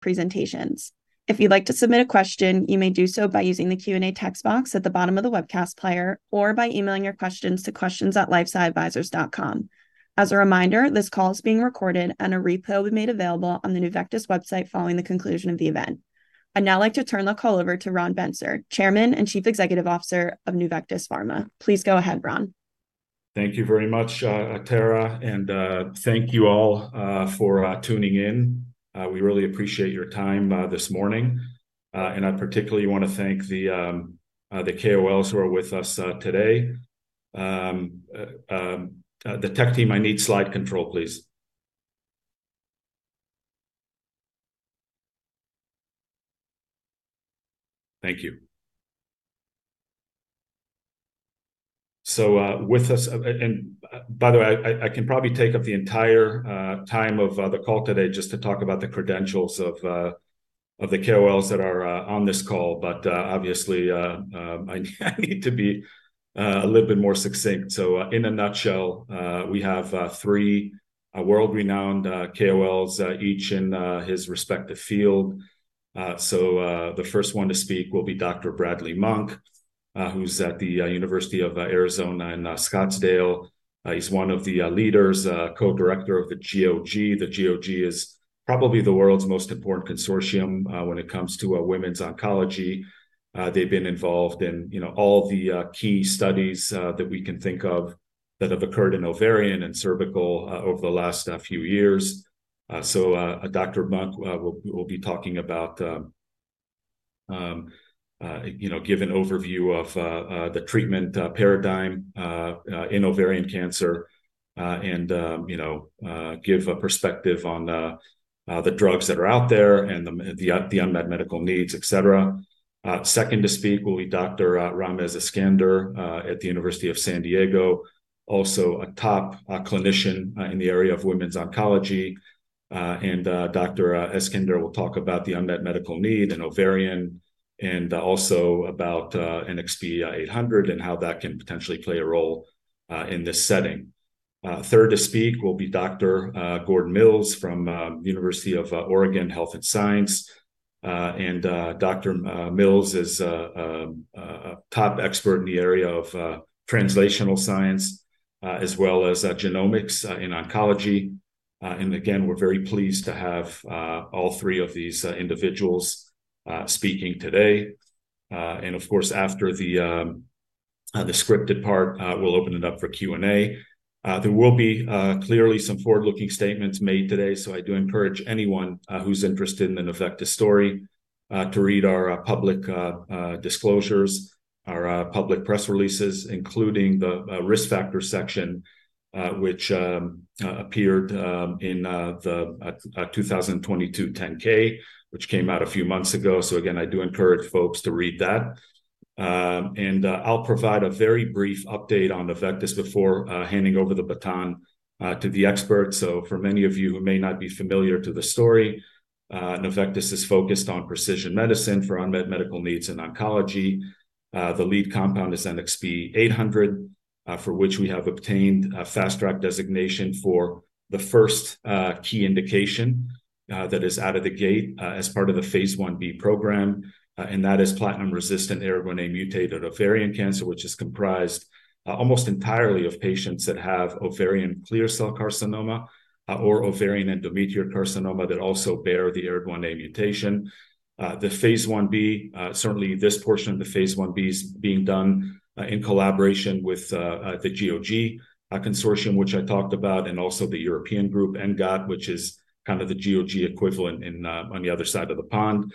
Presentations. If you'd like to submit a question, you may do so by using the Q&A text box at the bottom of the webcast player or by emailing your questions to questions@lifesciadvisors.com. As a reminder, this call is being recorded, and a replay will be made available on the Nuvectis website following the conclusion of the event. I'd now like to turn the call over to Ron Bentsur, Chairman and Chief Executive Officer of Nuvectis Pharma. Please go ahead, Ron. Thank you very much, Tara, and thank you all for tuning in. We really appreciate your time this morning. And I particularly wanna thank the KOLs who are with us today. The tech team, I need slide control, please. Thank you. So, with us, and by the way, I can probably take up the entire time of the call today just to talk about the credentials of the KOLs that are on this call, but obviously I need to be a little bit more succinct. So, in a nutshell, we have three world-renowned KOLs, each in his respective field. So, the first one to speak will be Dr. Bradley Monk, who's at the University of Arizona in Scottsdale. He's one of the leaders, co-director of the GOG. The GOG is probably the world's most important consortium when it comes to women's oncology. They've been involved in, you know, all the key studies that we can think of that have occurred in ovarian and cervical over the last few years. So, Dr. Monk will be talking about, you know, give an overview of the treatment paradigm in ovarian cancer, and, you know, give a perspective on the drugs that are out there and the unmet medical needs, et cetera. Second to speak will be Dr. Ramez Eskander at the University of San Diego, also a top clinician in the area of women's oncology. Dr. Eskander will talk about the unmet medical need in ovarian and also about NXP800 and how that can potentially play a role in this setting. Third to speak will be Dr. Gordon Mills from University of Oregon Health and Science University. Dr. Mills is a top expert in the area of translational science as well as genomics in oncology. And again, we're very pleased to have all three of these individuals speaking today. And of course, after the scripted part, we'll open it up for Q&A. There will be clearly some forward-looking statements made today, so I do encourage anyone who's interested in the Nuvectis story to read our public disclosures, our public press releases, including the risk factor section, which appeared in the 2022 10-K, which came out a few months ago. So again, I do encourage folks to read that. And I'll provide a very brief update on Nuvectis before handing over the baton to the experts. So for many of you who may not be familiar to the story, Nuvectis is focused on precision medicine for unmet medical needs in oncology. The lead compound is NXP800, for which we have obtained a Fast Track designation for the first key indication that is out of the gate, as part of the phase Ib program, and that is platinum-resistant ARID1A-mutated ovarian cancer, which is comprised almost entirely of patients that have ovarian clear cell carcinoma or ovarian endometrioid carcinoma that also bear the ARID1A mutation. The phase Ib, certainly this portion of the phase Ib is being done in collaboration with the GOG consortium, which I talked about, and also the European group, ENGOT, which is kind of the GOG equivalent in, on the other side of the pond.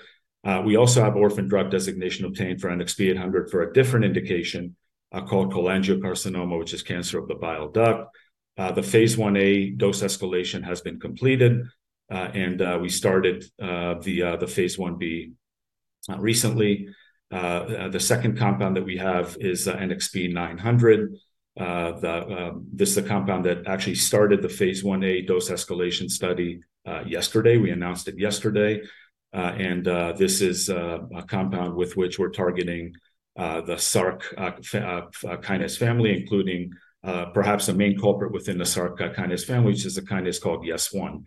We also have Orphan Drug designation obtained for NXP800 for a different indication called cholangiocarcinoma, which is cancer of the bile duct. The phase Ia dose escalation has been completed, and we started the phase Ib recently. The second compound that we have is NXP900. This is the compound that actually started the phase Ia dose escalation study yesterday. We announced it yesterday. This is a compound with which we're targeting the Src kinase family, including perhaps the main culprit within the Src kinase family, which is a kinase called YES1.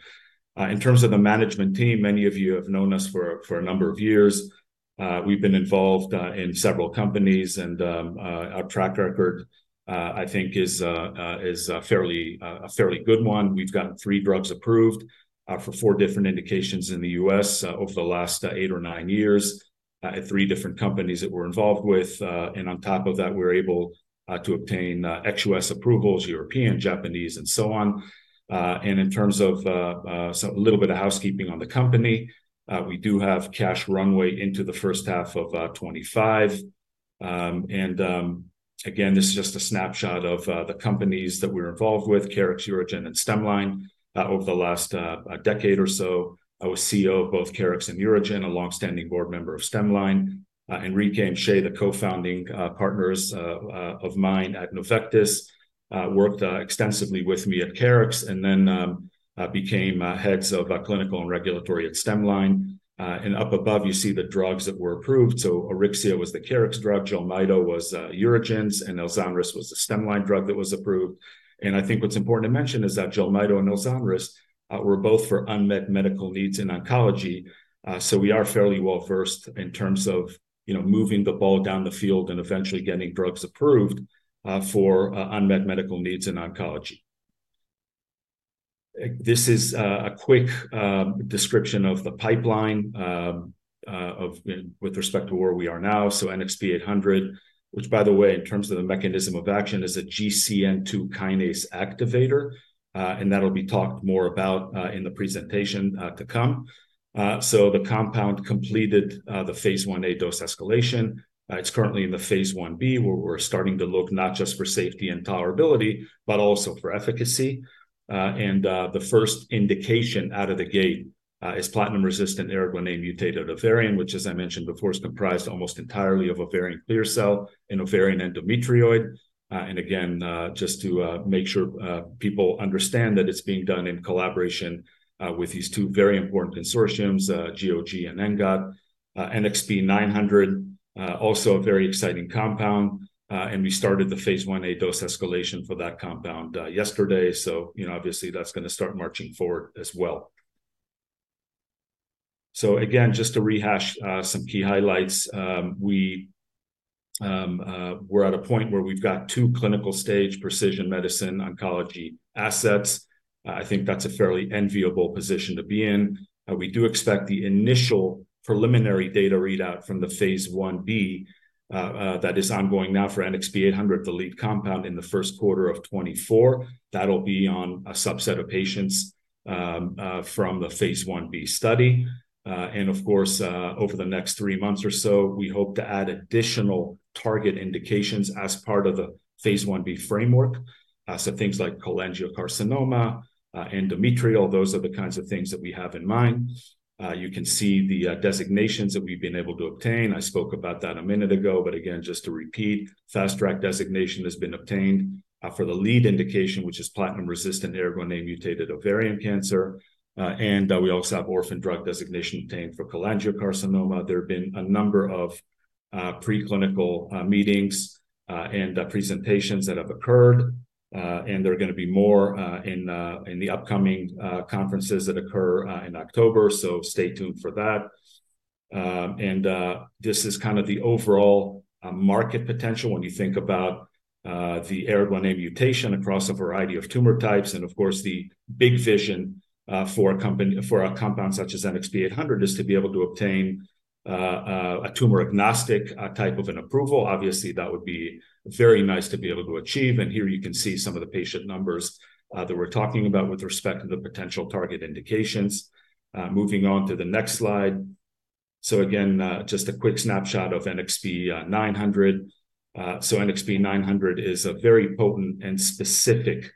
In terms of the management team, many of you have known us for a number of years. We've been involved in several companies, and our track record I think is a fairly good one. We've gotten three drugs approved for four different indications in the U.S. over the last eight or nine years at three different companies that we're involved with. And on top of that, we're able to obtain ex-U.S. approvals, European, Japanese, and so on. So a little bit of housekeeping on the company, we do have cash runway into the first half of 2025. Again, this is just a snapshot of the companies that we're involved with, Keryx, UroGen, and Stemline. Over the last decade or so, I was CEO of both Keryx and UroGen, a long-standing board member of Stemline. Enrique and Shay, the co-founding partners of mine at Nuvectis, worked extensively with me at Keryx and then... Became heads of clinical and regulatory at Stemline. And up above, you see the drugs that were approved. So Auryxia was the Keryx drug, JELMYTO was UroGen, and Ozanimod was the Stemline drug that was approved. And I think what's important to mention is that JELMYTO and Ozanimod were both for unmet medical needs in oncology. So we are fairly well-versed in terms of, you know, moving the ball down the field and eventually getting drugs approved for unmet medical needs in oncology. This is a quick description of the pipeline of-- with respect to where we are now. So NXP800, which by the way, in terms of the mechanism of action, is a GCN2 kinase activator, and that'll be talked more about in the presentation to come. So the compound completed the phase Ia dose escalation. It's currently in the phase Ib, where we're starting to look not just for safety and tolerability, but also for efficacy. And the first indication out of the gate is platinum-resistant ARID1A mutated ovarian, which, as I mentioned before, is comprised almost entirely of ovarian clear cell and ovarian endometrioid. And again, just to make sure people understand that it's being done in collaboration with these two very important consortiums, GOG and ENGOT. NXP900 also a very exciting compound, and we started the phase Ia dose escalation for that compound yesterday. So, you know, obviously, that's gonna start marching forward as well. So again, just to rehash, some key highlights, we're at a point where we've got two clinical stage precision medicine oncology assets. I think that's a fairly enviable position to be in. We do expect the initial preliminary data readout from the phase Ib that is ongoing now for NXP800, the lead compound in the first quarter of 2024. That'll be on a subset of patients from the phase Ib study. And of course, over the next three months or so, we hope to add additional target indications as part of the phase Ib framework. So things like cholangiocarcinoma, endometrioid, those are the kinds of things that we have in mind. You can see the designations that we've been able to obtain. I spoke about that a minute ago, but again, just to repeat, Fast Track designation has been obtained for the lead indication, which is platinum-resistant ARID1A mutated ovarian cancer. And we also have Orphan Drug designation obtained for cholangiocarcinoma. There have been a number of preclinical meetings and presentations that have occurred, and there are gonna be more in the upcoming conferences that occur in October. So stay tuned for that. And this is kind of the overall market potential when you think about the ARID1A mutation across a variety of tumor types. And of course, the big vision for a company, for a compound such as NXP800, is to be able to obtain a tumor-agnostic type of an approval. Obviously, that would be very nice to be able to achieve. And here you can see some of the patient numbers that we're talking about with respect to the potential target indications. Moving on to the next slide. So again, just a quick snapshot of NXP900. So NXP900 is a very potent and specific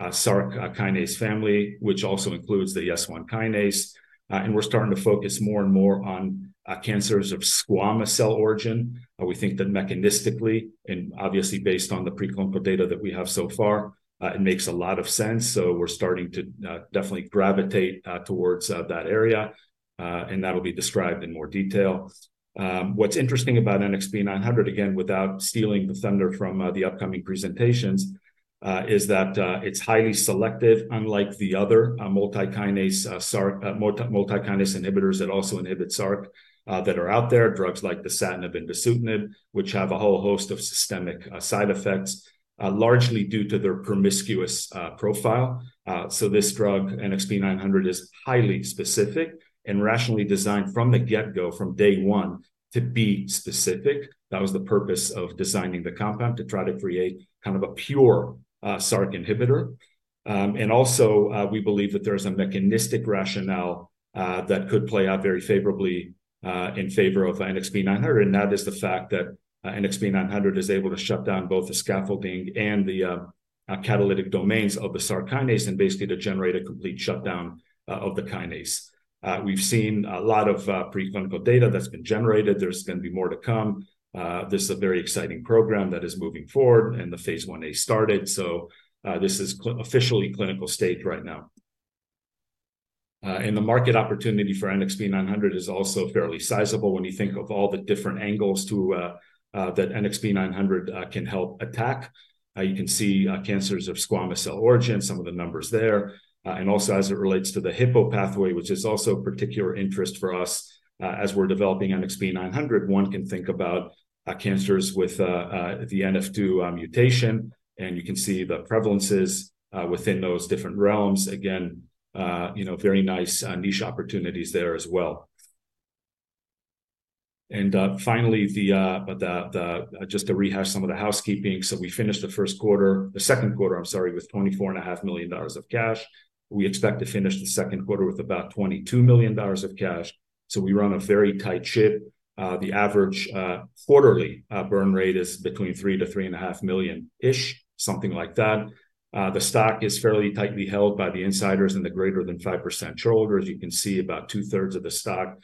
inhibitor of the Src kinase family, which also includes the YES1 kinase. And we're starting to focus more and more on cancers of squamous cell origin. We think that mechanistically, and obviously, based on the preclinical data that we have so far, it makes a lot of sense. So we're starting to definitely gravitate towards that area, and that will be described in more detail. What's interesting about NXP900, again, without stealing the thunder from, the upcoming presentations, is that, it's highly selective, unlike the other, multi-kinase, Src, multi-kinase inhibitors that also inhibit Src, that are out there, drugs like dasatinib and dasatinib, which have a whole host of systemic, side effects, largely due to their promiscuous, profile. So this drug, NXP900, is highly specific and rationally designed from the get-go, from day one, to be specific. That was the purpose of designing the compound, to try to create kind of a pure, Src inhibitor. And also, we believe that there is a mechanistic rationale that could play out very favorably in favor of NXP900, and that is the fact that NXP900 is able to shut down both the scaffolding and the catalytic domains of the Src kinase and basically to generate a complete shutdown of the kinase. We've seen a lot of preclinical data that's been generated. There's gonna be more to come. This is a very exciting program that is moving forward, and the phase I-A started, so this is officially clinical stage right now. And the market opportunity for NXP900 is also fairly sizable when you think of all the different angles to that NXP900 can help attack. You can see cancers of squamous cell origin, some of the numbers there. And also as it relates to the Hippo pathway, which is also of particular interest for us, as we're developing NXP900. One can think about, cancers with, the NF2, mutation, and you can see the prevalences, within those different realms. Again, you know, very nice, niche opportunities there as well. And, finally, just to rehash some of the housekeeping. So we finished the first quarter—the second quarter, I'm sorry, with $24.5 million of cash. We expect to finish the second quarter with about $22 million of cash. So we run a very tight ship. The average, quarterly, burn rate is between $3 million-$3.5 million-ish, something like that. The stock is fairly tightly held by the insiders and the greater than 5% shareholders. You can see about two-thirds of the stock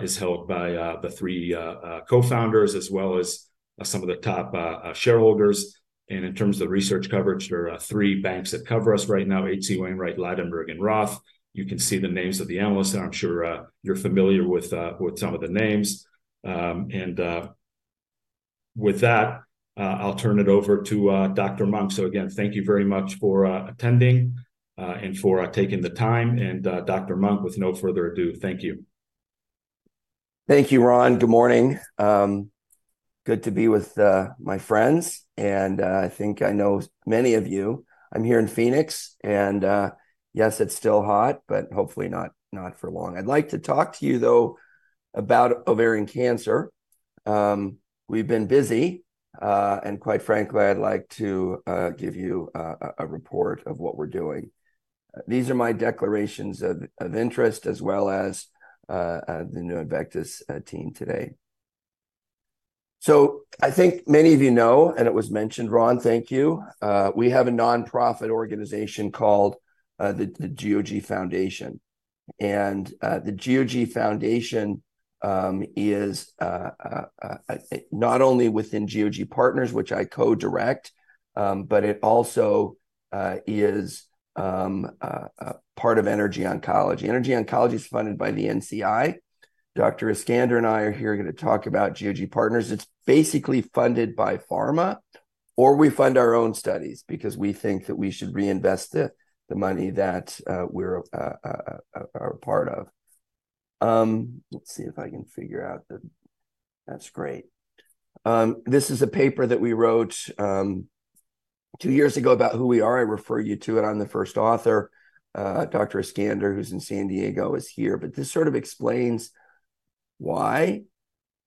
is held by the three cofounders, as well as some of the top shareholders. And in terms of the research coverage, there are three banks that cover us right now, HC Wainwright, Ladenburg, and Roth. You can see the names of the analysts, and I'm sure you're familiar with some of the names. With that, I'll turn it over to Dr. Monk. So again, thank you very much for attending and for taking the time, and Dr. Monk, with no further ado, thank you. Thank you, Ron. Good morning. Good to be with my friends, and I think I know many of you. I'm here in Phoenix, and yes, it's still hot, but hopefully not for long. I'd like to talk to you, though, about ovarian cancer. We've been busy, and quite frankly, I'd like to give you a report of what we're doing. These are my declarations of interest, as well as the Nuvectis team today. So I think many of you know, and it was mentioned, Ron, thank you, we have a nonprofit organization called the GOG Foundation. And the GOG Foundation is not only within GOG Partners, which I co-direct, but it also is part of NRG Oncology. NRG Oncology is funded by the NCI. Dr. Eskander and I are here, are gonna talk about GOG Partners. It's basically funded by pharma, or we fund our own studies because we think that we should reinvest the, the money that, we're a part of. Let's see if I can figure out the... That's great. This is a paper that we wrote two years ago about who we are. I refer you to it. I'm the first author. Dr. Eskander, who's in San Diego, is here. But this sort of explains why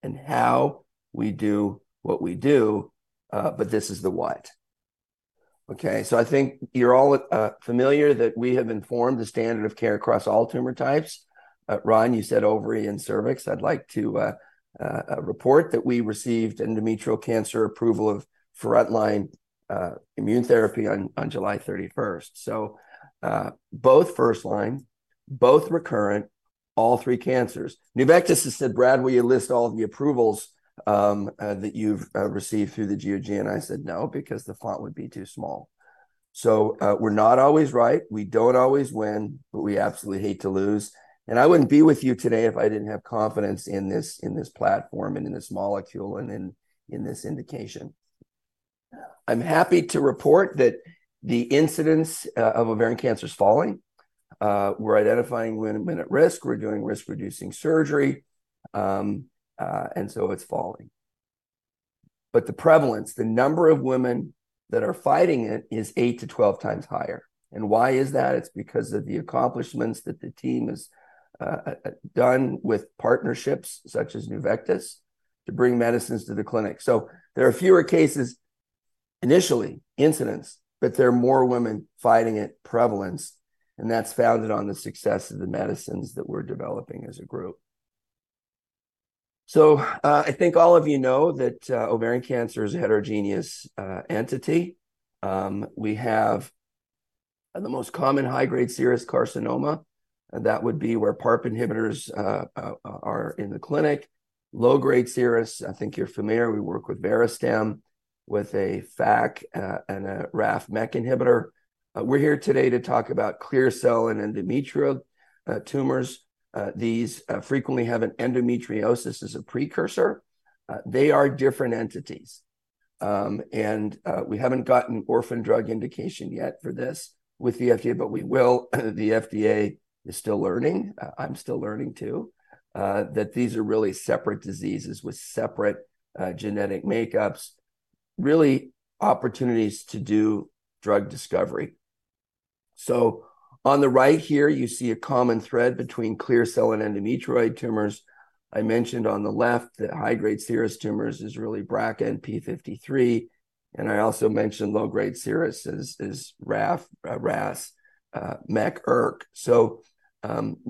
and how we do what we do, but this is the what. Okay, so I think you're all familiar that we have informed the standard of care across all tumor types. Ron, you said ovary and cervix. I'd like to report that we received endometrial cancer approval of frontline immune therapy on July 31st. Both first line, both recurrent, all three cancers. Nuvectis has said, "Brad, will you list all of the approvals that you've received through the GOG?" I said, "No, because the font would be too small." We're not always right, we don't always win, but we absolutely hate to lose, and I wouldn't be with you today if I didn't have confidence in this platform, and in this molecule, and in this indication. I'm happy to report that the incidence of ovarian cancer is falling. We're identifying women at risk, we're doing risk-reducing surgery, and so it's falling. But the prevalence, the number of women that are fighting it, is 8-12x higher. And why is that? It's because of the accomplishments that the team has done with partnerships, such as Nuvectis, to bring medicines to the clinic. So there are fewer cases initially, incidence, but there are more women fighting it, prevalence, and that's founded on the success of the medicines that we're developing as a group. So, I think all of you know that ovarian cancer is a heterogeneous entity. We have the most common high-grade serous carcinoma, and that would be where PARP inhibitors are in the clinic. Low-grade serous, I think you're familiar, we work with Verastem, with a FAK and a RAF/MEK inhibitor. We're here today to talk about clear cell and endometrioid tumors. These frequently have an endometriosis as a precursor. They are different entities, and we haven't gotten Orphan Drug indication yet for this with the FDA, but we will. The FDA is still learning, I'm still learning, too, that these are really separate diseases with separate genetic makeups. Really, opportunities to do drug discovery. So on the right here, you see a common thread between clear cell and endometrioid tumors. I mentioned on the left that high-grade serous tumors is really BRCA and p53, and I also mentioned low-grade serous is RAF, RAS, MEK/ERK. So,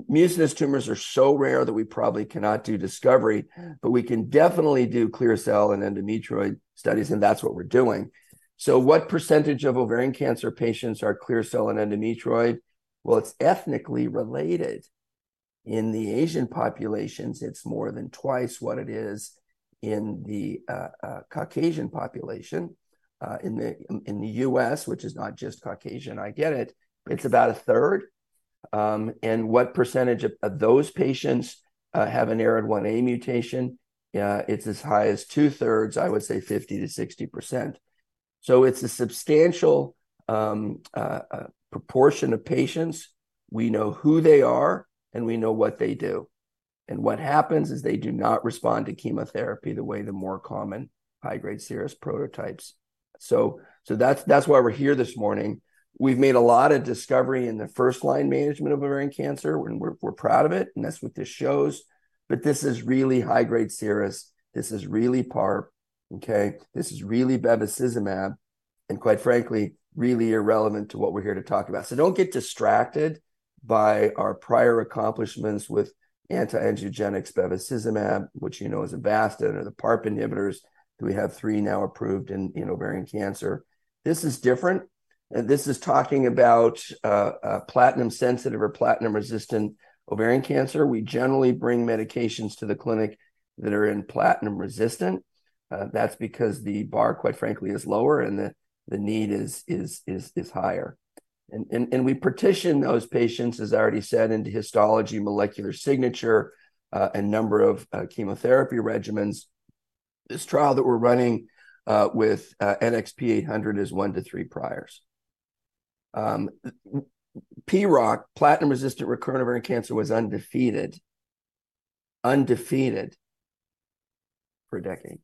mucinous tumors are so rare that we probably cannot do discovery, but we can definitely do clear cell and endometrioid studies, and that's what we're doing. So what percentage of ovarian cancer patients are clear cell and endometrioid? Well, it's ethnically related. In the Asian populations, it's more than twice what it is in the Caucasian population. In the U.S., which is not just Caucasian, I get it, it's about 1/3. And what percentage of those patients have an ARID1A mutation? It's as high as 2/3, I would say 50%-60%. So it's a substantial proportion of patients. We know who they are, and we know what they do. And what happens is they do not respond to chemotherapy the way the more common high-grade serous prototypes. So that's why we're here this morning. We've made a lot of discovery in the first-line management of ovarian cancer, and we're proud of it, and that's what this shows. But this is really high-grade serous. This is really PARP, okay? This is really bevacizumab, and quite frankly, really irrelevant to what we're here to talk about. So don't get distracted by our prior accomplishments with anti-angiogenics bevacizumab, which you know is Avastin, or the PARP inhibitors. We have three now approved in ovarian cancer. This is different, and this is talking about platinum-sensitive or platinum-resistant ovarian cancer. We generally bring medications to the clinic that are in platinum-resistant. That's because the bar, quite frankly, is lower and the need is higher, and we partition those patients, as I already said, into histology, molecular signature, and number of chemotherapy regimens. This trial that we're running with NXP800 is 1 to 3 priors. PROC, platinum-resistant recurrent ovarian cancer, was undefeated, undefeated for a decade.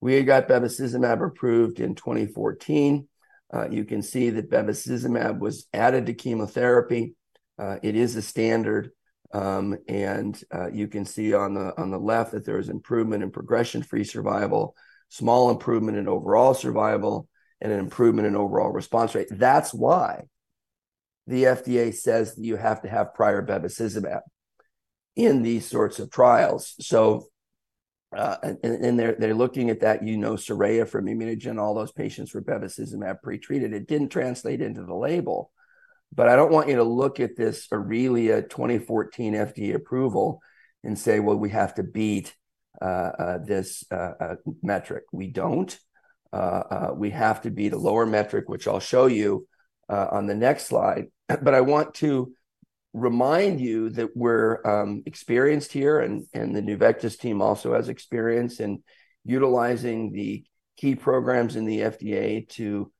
We had got bevacizumab approved in 2014. You can see that bevacizumab was added to chemotherapy. It is the standard, and you can see on the, on the left that there is improvement in progression-free survival, small improvement in overall survival, and an improvement in overall response rate. That's why the FDA says you have to have prior bevacizumab in these sorts of trials. So, and they're looking at that, you know, SORAYA from ImmunoGen, all those patients were bevacizumab pre-treated. It didn't translate into the label, but I don't want you to look at this AURELIA 2014 FDA approval and say, "Well, we have to beat this metric." We don't. We have to beat a lower metric, which I'll show you on the next slide. But I want to remind you that we're experienced here, and the Nuvectis team also has experience in utilizing the key programs in the FDA to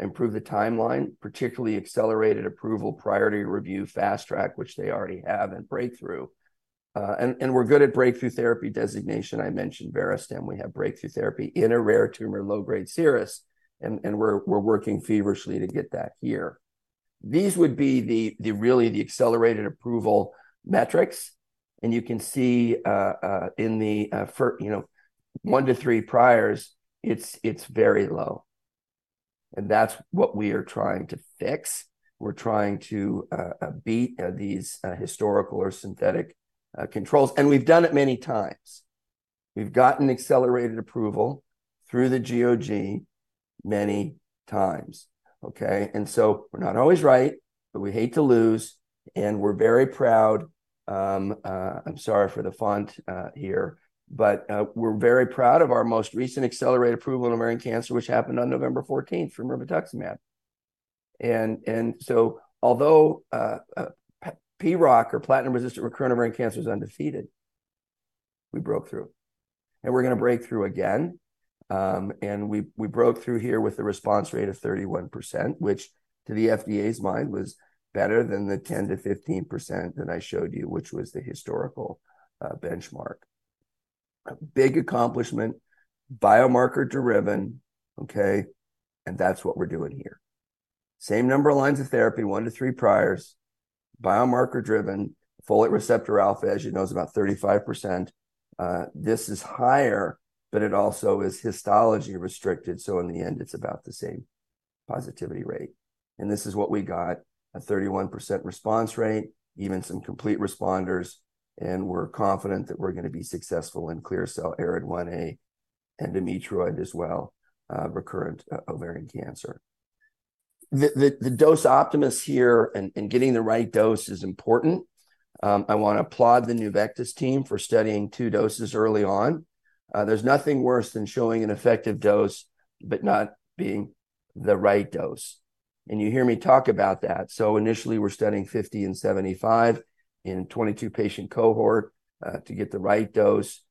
improve the timeline, particularly accelerated approval, priority review, fast track, which they already have, and breakthrough. And we're good at breakthrough therapy designation. I mentioned Verastem. We have breakthrough therapy in a rare tumor, low-grade serous, and we're working feverishly to get that here. These would be the really the accelerated approval metrics, and you can see you know in the one to three priors, it's very low, and that's what we are trying to fix. We're trying to beat these historical or synthetic controls, and we've done it many times. We've gotten accelerated approval through the GOG many times, okay? And so we're not always right, but we hate to lose, and we're very proud. I'm sorry for the font, but we're very proud of our most recent accelerated approval in ovarian cancer, which happened on November 14th for mirvetuximab. And so although PROC or platinum-resistant recurrent ovarian cancer is undefeated, we broke through, and we're gonna break through again. And we broke through here with a response rate of 31%, which to the FDA's mind, was better than the 10%-15% that I showed you, which was the historical benchmark. Big accomplishment, biomarker-driven, okay? And that's what we're doing here. Same number of lines of therapy, one to three priors, biomarker-driven, folate receptor alpha, as you know, is about 35%. This is higher, but it also is histology restricted, so in the end, it's about the same positivity rate. This is what we got, a 31% response rate, even some complete responders, and we're confident that we're gonna be successful in clear cell ARID1A and endometrioid as well, recurrent ovarian cancer. The dose optimization here and getting the right dose is important. I wanna applaud the Nuvectis team for studying two doses early on. There's nothing worse than showing an effective dose, but not being the right dose, and you hear me talk about that. Initially, we're studying 50 and 75 in a 22-patient cohort to get the right dose.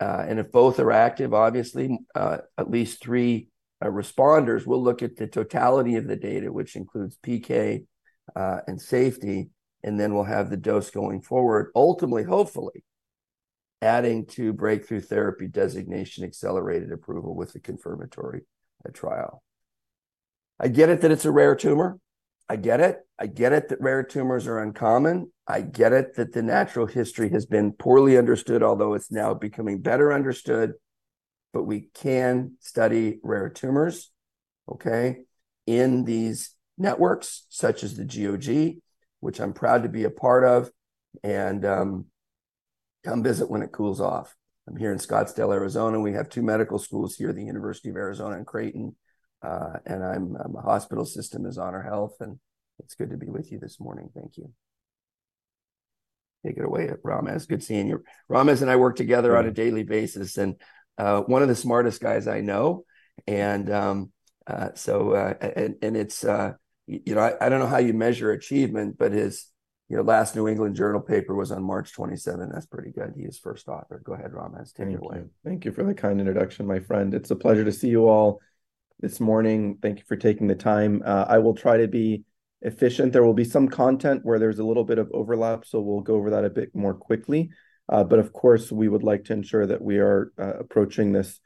And if both are active, obviously, at least three responders, we'll look at the totality of the data, which includes PK, and safety, and then we'll have the dose going forward, ultimately, hopefully, adding to Breakthrough Therapy designation accelerated approval with a confirmatory trial. I get it that it's a rare tumor. I get it. I get it that rare tumors are uncommon. I get it that the natural history has been poorly understood, although it's now becoming better understood, but we can study rare tumors, okay, in these networks, such as the GOG, which I'm proud to be a part of, and come visit when it cools off. I'm here in Scottsdale, Arizona. We have two medical schools here, the University of Arizona and Creighton, and my hospital system is HonorHealth, and it's good to be with you this morning. Thank you. Take it away, Ramez. Good seeing you. Ramez and I work together on a daily basis, and one of the smartest guys I know. And it's, you know, I don't know how you measure achievement, but his, you know, last New England Journal paper was on March 27th. That's pretty good. He is first author. Go ahead, Ramez. Take it away. Thank you. Thank you for the kind introduction, my friend. It's a pleasure to see you all this morning. Thank you for taking the time. I will try to be efficient. There will be some content where there's a little bit of overlap, so we'll go over that a bit more quickly. But of course, we would like to ensure that we are approaching this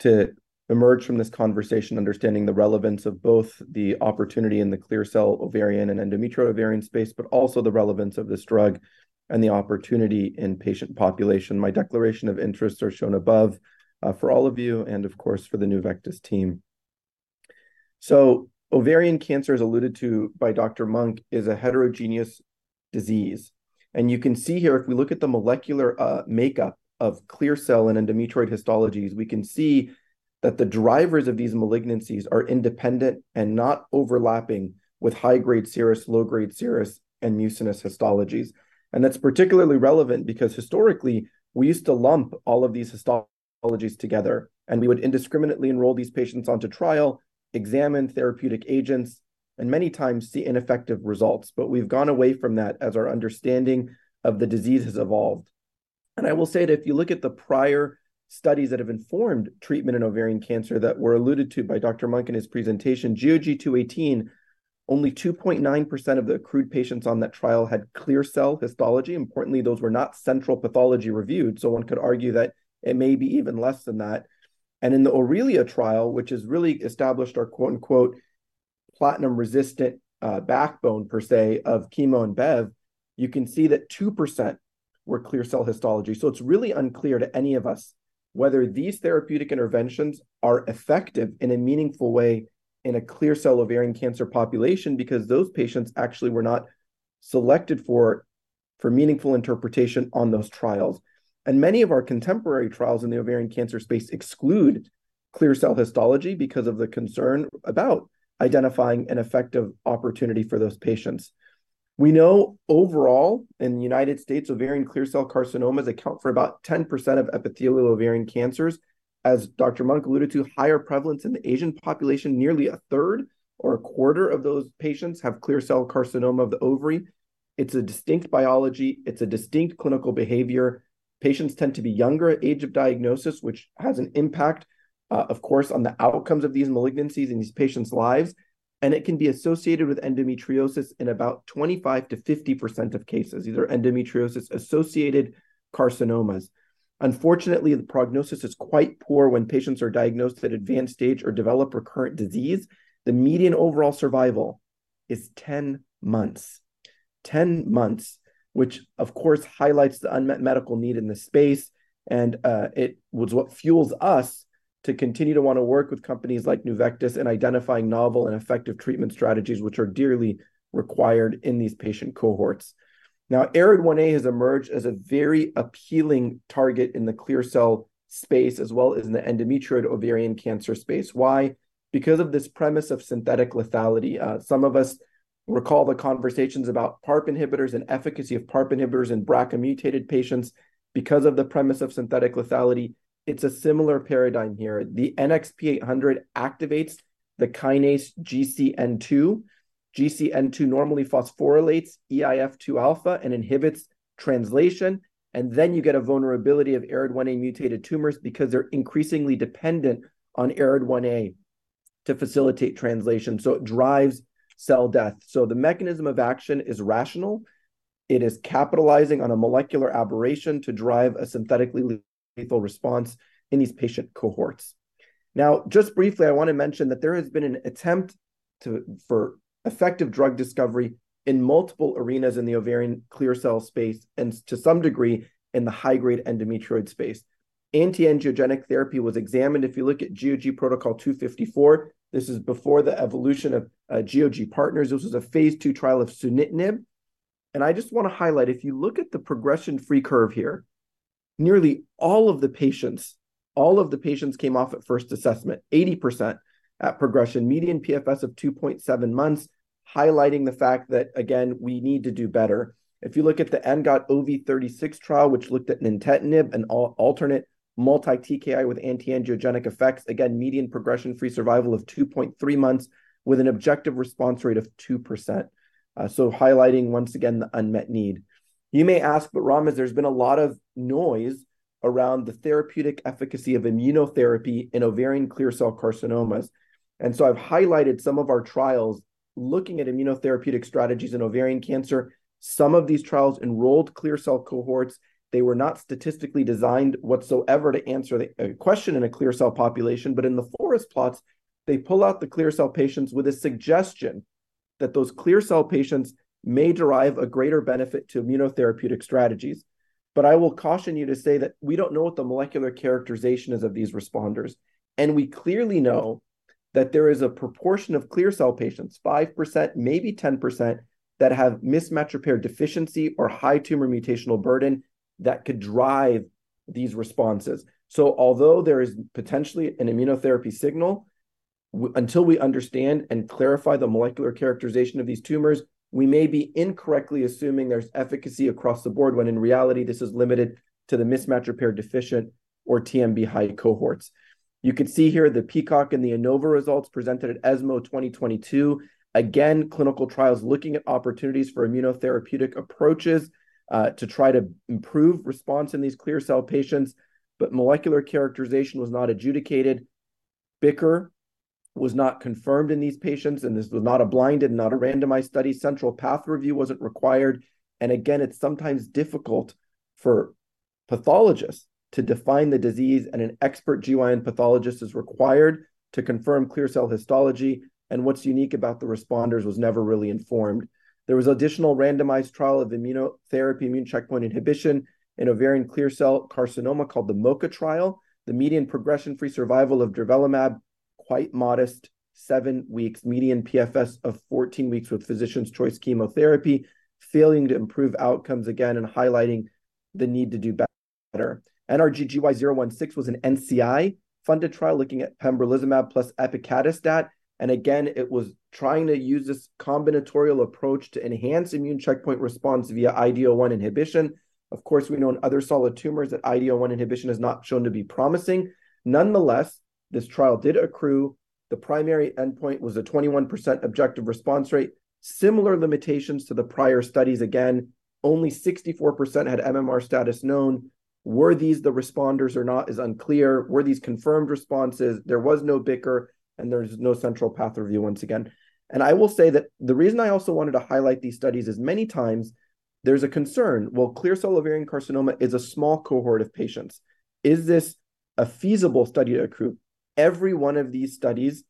to emerge from this conversation understanding the relevance of both the opportunity and the clear cell ovarian and endometrioid ovarian space, but also the relevance of this drug and the opportunity in patient population. My declaration of interests are shown above, for all of you and, of course, for the Nuvectis team. So ovarian cancer, as alluded to by Dr. Monk, is a heterogeneous disease, and you can see here, if we look at the molecular makeup of clear cell and endometrioid histologies, we can see that the drivers of these malignancies are independent and not overlapping with high-grade serous, low-grade serous, and mucinous histologies. And that's particularly relevant because historically, we used to lump all of these histopathologies together, and we would indiscriminately enroll these patients onto trials, examine therapeutic agents, and many times see ineffective results. But we've gone away from that as our understanding of the disease has evolved. And I will say that if you look at the prior studies that have informed treatment in ovarian cancer that were alluded to by Dr. Monk in his presentation, GOG 218, only 2.9% of the accrued patients on that trial had clear cell histology. Importantly, those were not central pathology reviewed, so one could argue that it may be even less than that. In the Aurelia trial, which has really established our, quote-unquote, “platinum-resistant,” backbone per se, of chemo and bev, you can see that 2% were clear cell histology. It's really unclear to any of us whether these therapeutic interventions are effective in a meaningful way in a clear cell ovarian cancer population, because those patients actually were not selected for meaningful interpretation on those trials. Many of our contemporary trials in the ovarian cancer space exclude clear cell histology because of the concern about identifying an effective opportunity for those patients. We know overall in the United States, ovarian clear cell carcinomas account for about 10% of epithelial ovarian cancers. As Dr. Monk alluded to higher prevalence in the Asian population, nearly a third or a quarter of those patients have clear cell carcinoma of the ovary. It's a distinct biology. It's a distinct clinical behavior. Patients tend to be younger at age of diagnosis, which has an impact, of course, on the outcomes of these malignancies in these patients' lives, and it can be associated with endometriosis in about 25%-50% of cases. These are endometriosis-associated carcinomas. Unfortunately, the prognosis is quite poor when patients are diagnosed at advanced stage or develop recurrent disease. The median overall survival is 10 months. 10 months, which of course highlights the unmet medical need in this space, and it was what fuels us to continue to want to work with companies like Nuvectis in identifying novel and effective treatment strategies, which are dearly required in these patient cohorts. Now, ARID1A has emerged as a very appealing target in the clear cell space, as well as in the endometrioid ovarian cancer space. Why? Because of this premise of synthetic lethality. Some of us recall the conversations about PARP inhibitors and efficacy of PARP inhibitors in BRCA-mutated patients because of the premise of synthetic lethality. It's a similar paradigm here. The NXP800 activates the kinase GCN2. GCN2 normally phosphorylates eIF2 alpha and inhibits translation, and then you get a vulnerability of ARID1A-mutated tumors because they're increasingly dependent on ARID1A to facilitate translation, so it drives cell death. So the mechanism of action is rational. It is capitalizing on a molecular aberration to drive a synthetically lethal response in these patient cohorts. Now, just briefly, I want to mention that there has been an attempt to, for effective drug discovery in multiple arenas in the ovarian clear cell space and to some degree, in the high-grade endometrioid space. Anti-angiogenic therapy was examined. If you look at GOG protocol 254, this is before the evolution of, GOG Partners. This was a phase II trial of sunitinib, and I just want to highlight, if you look at the progression-free curve here, nearly all of the patients, all of the patients came off at first assessment, 80% at progression, median PFS of 2.7 months, highlighting the fact that, again, we need to do better. If you look at the ENGOT-OV36 trial, which looked at nintedanib, an alternate multi-TKI with anti-angiogenic effects, again, median progression-free survival of 2.3 months, with an objective response rate of 2%. So highlighting, once again, the unmet need. You may ask, but Ramez, there's been a lot of noise around the therapeutic efficacy of immunotherapy in ovarian clear cell carcinomas. And so I've highlighted some of our trials looking at immunotherapeutic strategies in ovarian cancer. Some of these trials enrolled clear cell cohorts. They were not statistically designed whatsoever to answer the, a question in a clear cell population, but in the forest plots, they pull out the clear cell patients with a suggestion that those clear cell patients may derive a greater benefit to immunotherapeutic strategies. But I will caution you to say that we don't know what the molecular characterization is of these responders, and we clearly know that there is a proportion of clear cell patients, 5%, maybe 10%, that have mismatch repair deficiency or high tumor mutational burden that could drive these responses. So although there is potentially an immunotherapy signal, until we understand and clarify the molecular characterization of these tumors, we may be incorrectly assuming there's efficacy across the board, when in reality, this is limited to the mismatch repair deficient or TMB-high cohorts. You can see here the PEACOCK and the Innova results presented at ESMO 2022. Again, clinical trials looking at opportunities for immunotherapeutic approaches to try to improve response in these clear cell patients, but molecular characterization was not adjudicated. BICR was not confirmed in these patients, and this was not a blinded, not a randomized study. Central path review wasn't required. And again, it's sometimes difficult for pathologists to define the disease, and an expert GYN pathologist is required to confirm clear cell histology, and what's unique about the responders was never really informed. There was additional randomized trial of immunotherapy, immune checkpoint inhibition in ovarian clear cell carcinoma called the MOCHA trial. The median progression-free survival of durvalumab, quite modest, seven weeks, median PFS of 14 weeks with physician's choice chemotherapy, failing to improve outcomes again and highlighting the need to do better. NRG-GY016 was an NCI-funded trial looking at pembrolizumab plus epacadostat, and again, it was trying to use this combinatorial approach to enhance immune checkpoint response via IDO1 inhibition. Of course, we know in other solid tumors that IDO1 inhibition has not shown to be promising. Nonetheless, this trial did accrue. The primary endpoint was a 21% objective response rate. Similar limitations to the prior studies. Again, only 64% had MMR status known. Were these the responders or not is unclear. Were these confirmed responses? There was no BICR, and there's no central path review once again. I will say that the reason I also wanted to highlight these studies is many times there's a concern, well, clear cell ovarian carcinoma is a small cohort of patients. Is this a feasible study to accrue? Every one of these studies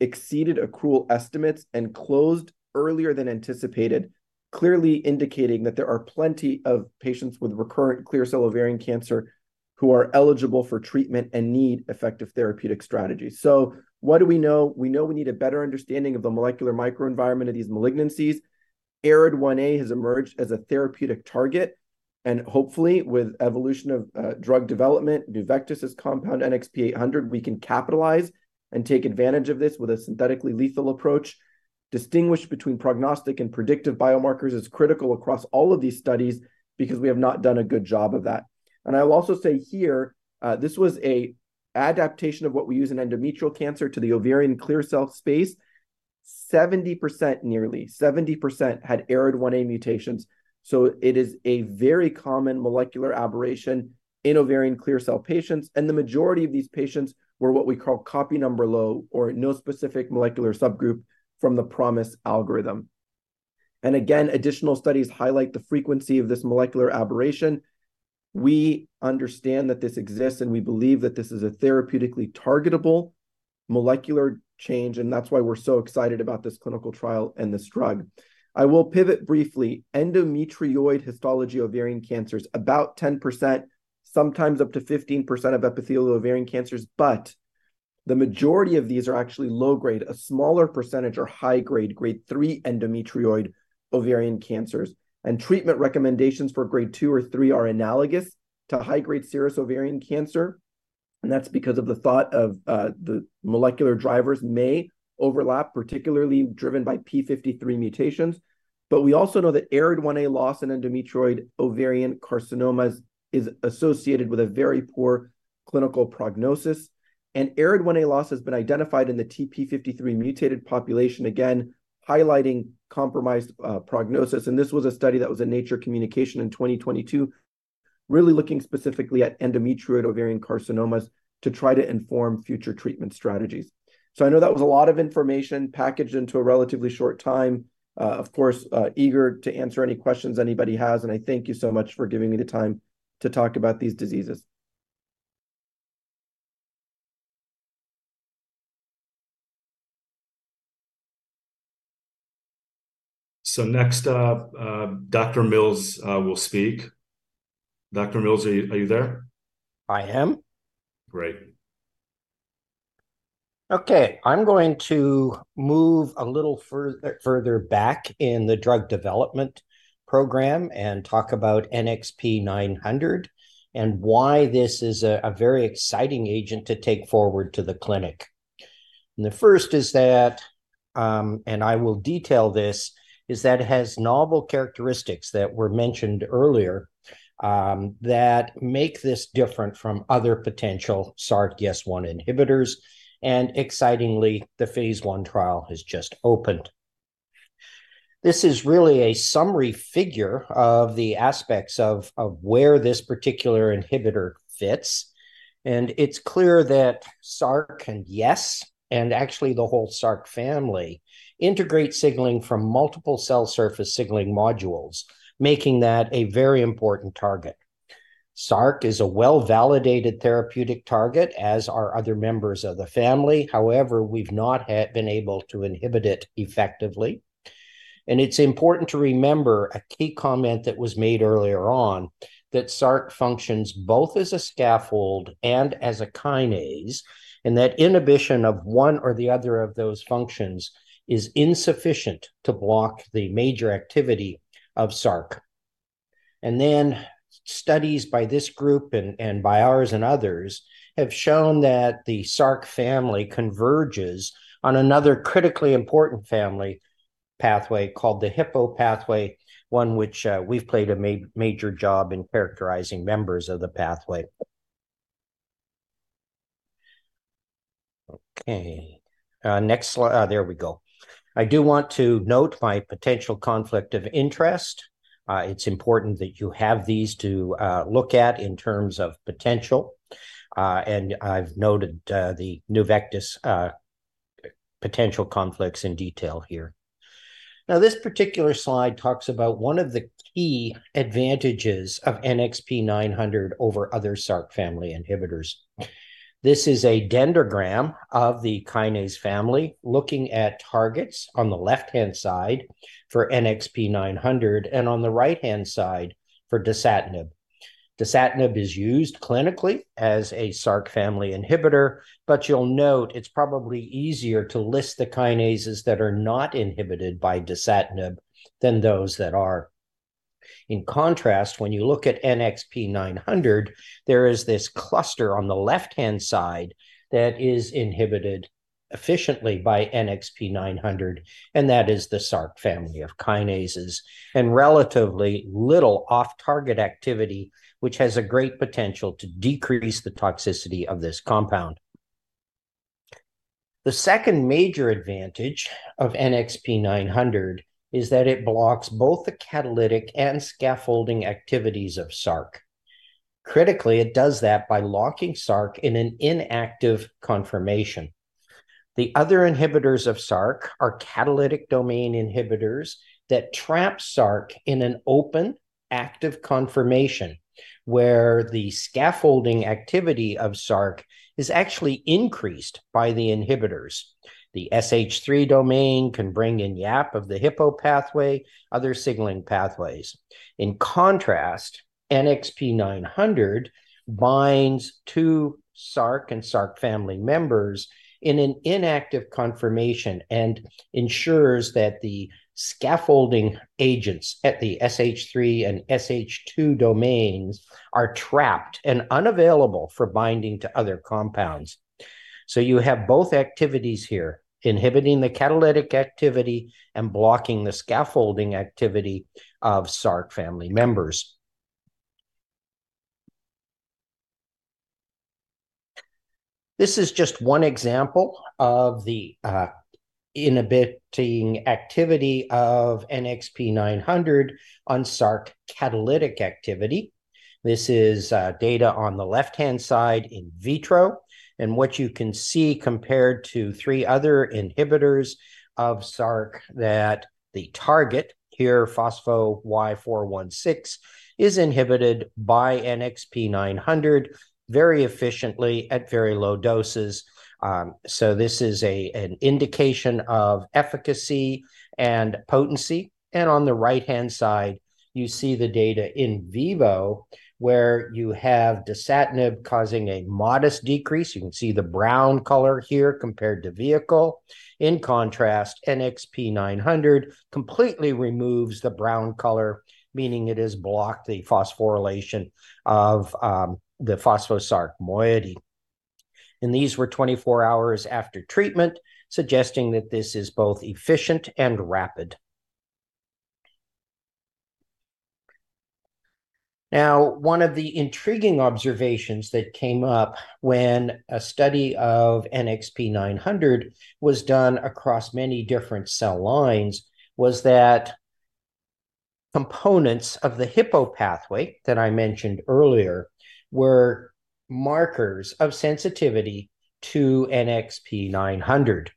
exceeded accrual estimates and closed earlier than anticipated, clearly indicating that there are plenty of patients with recurrent clear cell ovarian cancer who are eligible for treatment and need effective therapeutic strategies. So what do we know? We know we need a better understanding of the molecular microenvironment of these malignancies. ARID1A has emerged as a therapeutic target, and hopefully, with evolution of drug development, Nuvectis's compound NXP800, we can capitalize and take advantage of this with a synthetically lethal approach. Distinguish between prognostic and predictive biomarkers is critical across all of these studies because we have not done a good job of that. I will also say here, this was an adaptation of what we use in endometrial cancer to the ovarian clear cell space. 70%, nearly 70%, had ARID1A mutations, so it is a very common molecular aberration in ovarian clear cell patients, and the majority of these patients were what we call copy number low or no specific molecular subgroup from the ProMisE algorithm. Again, additional studies highlight the frequency of this molecular aberration. We understand that this exists, and we believe that this is a therapeutically targetable molecular change, and that's why we're so excited about this clinical trial and this drug. I will pivot briefly. Endometrioid histology ovarian cancers, about 10%, sometimes up to 15% of epithelial ovarian cancers, but the majority of these are actually low grade. A smaller percentage are high grade, grade 3 endometrioid ovarian cancers. Treatment recommendations for grade 2 or 3 are analogous to high-grade serous ovarian cancer, and that's because of the thought of, the molecular drivers may overlap, particularly driven by p53 mutations. But we also know that ARID1A loss in endometrioid ovarian carcinomas is associated with a very poor clinical prognosis, and ARID1A loss has been identified in the TP53 mutated population, again, highlighting compromised, prognosis. And this was a study that was in Nature Communications in 2022, really looking specifically at endometrioid ovarian carcinomas to try to inform future treatment strategies. So I know that was a lot of information packaged into a relatively short time. Of course, eager to answer any questions anybody has, and I thank you so much for giving me the time to talk about these diseases. Next up, Dr. Mills, will speak. Dr. Mills, are you, are you there? I am. Great. Okay, I'm going to move a little further back in the drug development program and talk about NXP900 and why this is a very exciting agent to take forward to the clinic. And the first is that, and I will detail this, is that it has novel characteristics that were mentioned earlier, that make this different from other potential Src YES1 inhibitors, and excitingly, the phase I trial has just opened. This is really a summary figure of the aspects of where this particular inhibitor fits, and it's clear that Src and YES1, and actually the whole Src family, integrate signaling from multiple cell surface signaling modules, making that a very important target. Src is a well-validated therapeutic target, as are other members of the family. However, we've not been able to inhibit it effectively. It's important to remember a key comment that was made earlier on, that Src functions both as a scaffold and as a kinase, and that inhibition of one or the other of those functions is insufficient to block the major activity of Src. And then, studies by this group and by ours and others, have shown that the Src family converges on another critically important family pathway, called the Hippo pathway, one which we've played a major job in characterizing members of the pathway. Okay, next slide. There we go. I do want to note my potential conflict of interest. It's important that you have these to look at in terms of potential. And I've noted the Nuvectis's potential conflicts in detail here. Now, this particular slide talks about one of the key advantages of NXP900 over other Src family inhibitors. This is a dendrogram of the kinase family, looking at targets on the left-hand side for NXP900 and on the right-hand side for dasatinib. Dasatinib is used clinically as a Src family inhibitor, but you'll note it's probably easier to list the kinases that are not inhibited by dasatinib than those that are. In contrast, when you look at NXP900, there is this cluster on the left-hand side that is inhibited efficiently by NXP900, and that is the Src family of kinases, and relatively little off-target activity, which has a great potential to decrease the toxicity of this compound. The second major advantage of NXP900 is that it blocks both the catalytic and scaffolding activities of Src. Critically, it does that by locking Src in an inactive conformation. The other inhibitors of Src are catalytic domain inhibitors that trap Src in an open, active conformation, where the scaffolding activity of Src is actually increased by the inhibitors. The SH3 domain can bring in YAP of the Hippo pathway, other signaling pathways. In contrast, NXP900 binds to Src and Src family members in an inactive conformation, and ensures that the scaffolding agents at the SH3 and SH2 domains are trapped and unavailable for binding to other compounds. So you have both activities here, inhibiting the catalytic activity and blocking the scaffolding activity of Src family members. This is just one example of the inhibiting activity of NXP900 on Src catalytic activity. This is data on the left-hand side in vitro, and what you can see, compared to three other inhibitors of Src, that the target here, phospho Y416, is inhibited by NXP900 very efficiently at very low doses. So this is an indication of efficacy and potency. And on the right-hand side, you see the data in vivo, where you have dasatinib causing a modest decrease. You can see the brown color here, compared to vehicle. In contrast, NXP900 completely removes the brown color, meaning it has blocked the phosphorylation of the phospho-Src moiety. And these were 24 hours after treatment, suggesting that this is both efficient and rapid. Now, one of the intriguing observations that came up when a study of NXP900 was done across many different cell lines was that components of the Hippo Pathway, that I mentioned earlier, were markers of sensitivity to NXP900.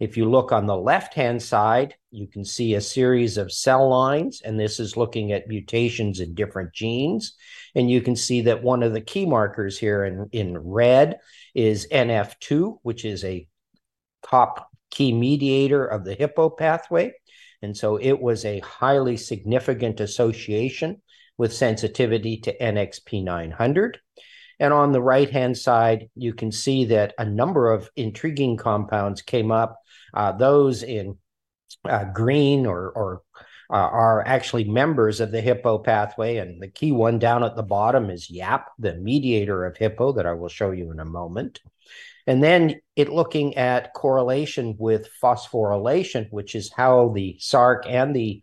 If you look on the left-hand side, you can see a series of cell lines, and this is looking at mutations in different genes. You can see that one of the key markers here in red is NF2, which is a top key mediator of the Hippo pathway, and so it was a highly significant association with sensitivity to NXP900. On the right-hand side, you can see that a number of intriguing compounds came up. Those in green are actually members of the Hippo pathway, and the key one down at the bottom is YAP, the mediator of Hippo, that I will show you in a moment. And then in looking at correlation with phosphorylation, which is how the Src and the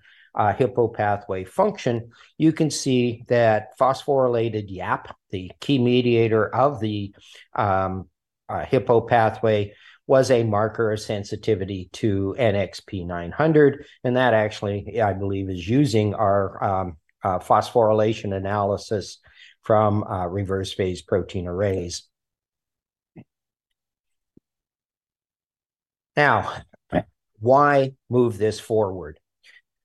Hippo pathway function, you can see that phosphorylated YAP, the key mediator of the Hippo pathway, was a marker of sensitivity to NXP900, and that actually, I believe, is using our phosphorylation analysis from reverse-phase protein arrays. Now, why move this forward?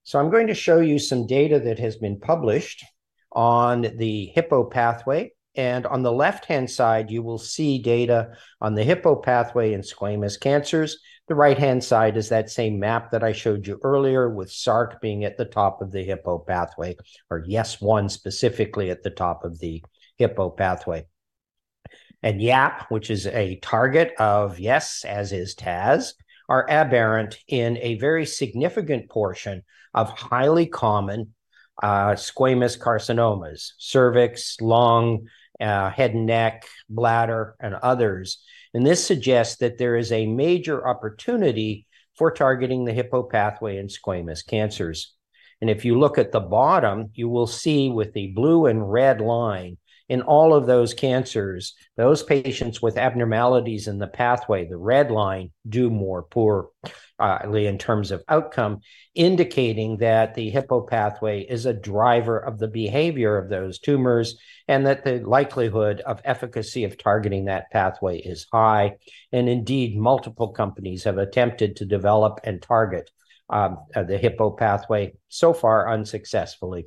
So I'm going to show you some data that has been published on the Hippo pathway, and on the left-hand side, you will see data on the Hippo pathway in squamous cancers. The right-hand side is that same map that I showed you earlier, with Src being at the top of the Hippo pathway, or YES1 specifically at the top of the Hippo pathway. And YAP, which is a target of YES, as is TAZ, are aberrant in a very significant portion of highly common squamous carcinomas: cervix, lung, head and neck, bladder, and others. And this suggests that there is a major opportunity for targeting the Hippo pathway in squamous cancers. And if you look at the bottom, you will see, with the blue and red line, in all of those cancers, those patients with abnormalities in the pathway, the red line, do more poorly in terms of outcome, indicating that the Hippo pathway is a driver of the behavior of those tumors, and that the likelihood of efficacy of targeting that pathway is high. And indeed, multiple companies have attempted to develop and target the Hippo pathway, so far unsuccessfully.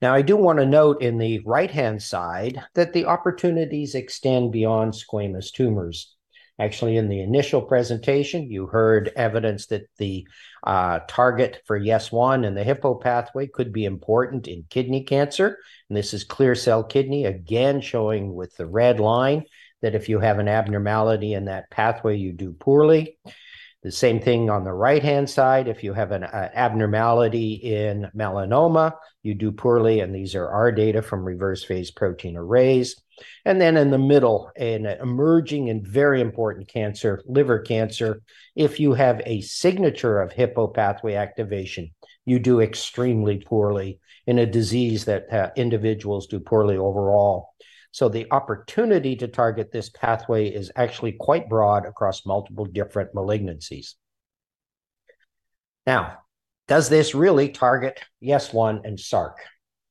Now, I do want to note in the right-hand side that the opportunities extend beyond squamous tumors. Actually, in the initial presentation, you heard evidence that the target for YES1 and the Hippo pathway could be important in kidney cancer. And this is clear cell kidney, again, showing with the red line, that if you have an abnormality in that pathway, you do poorly. The same thing on the right-hand side. If you have an abnormality in melanoma, you do poorly, and these are our data from reverse-phase protein arrays. And then in the middle, an emerging and very important cancer, liver cancer. If you have a signature of Hippo pathway activation, you do extremely poorly in a disease that individuals do poorly overall. So the opportunity to target this pathway is actually quite broad across multiple different malignancies.... Now, does this really target YES1 and Src?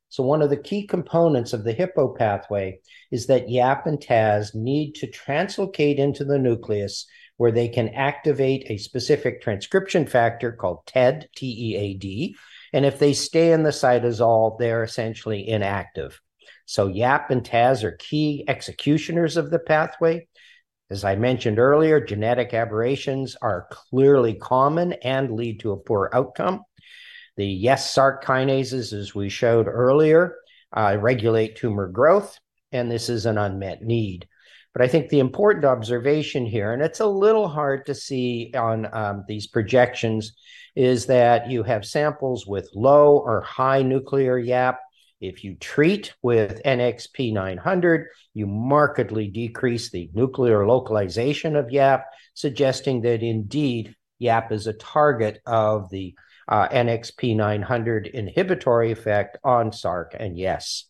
So one of the key components of the Hippo pathway is that YAP and TAZ need to translocate into the nucleus, where they can activate a specific transcription factor called TEAD, T-E-A-D. And if they stay in the cytosol, they're essentially inactive. So YAP and TAZ are key executioners of the pathway. As I mentioned earlier, genetic aberrations are clearly common and lead to a poor outcome. The YES-Src kinases, as we showed earlier, regulate tumor growth, and this is an unmet need. But I think the important observation here, and it's a little hard to see on these projections, is that you have samples with low or high nuclear YAP. If you treat with NXP900, you markedly decrease the nuclear localization of YAP, suggesting that indeed, YAP is a target of the NXP900 inhibitory effect on Src and YES.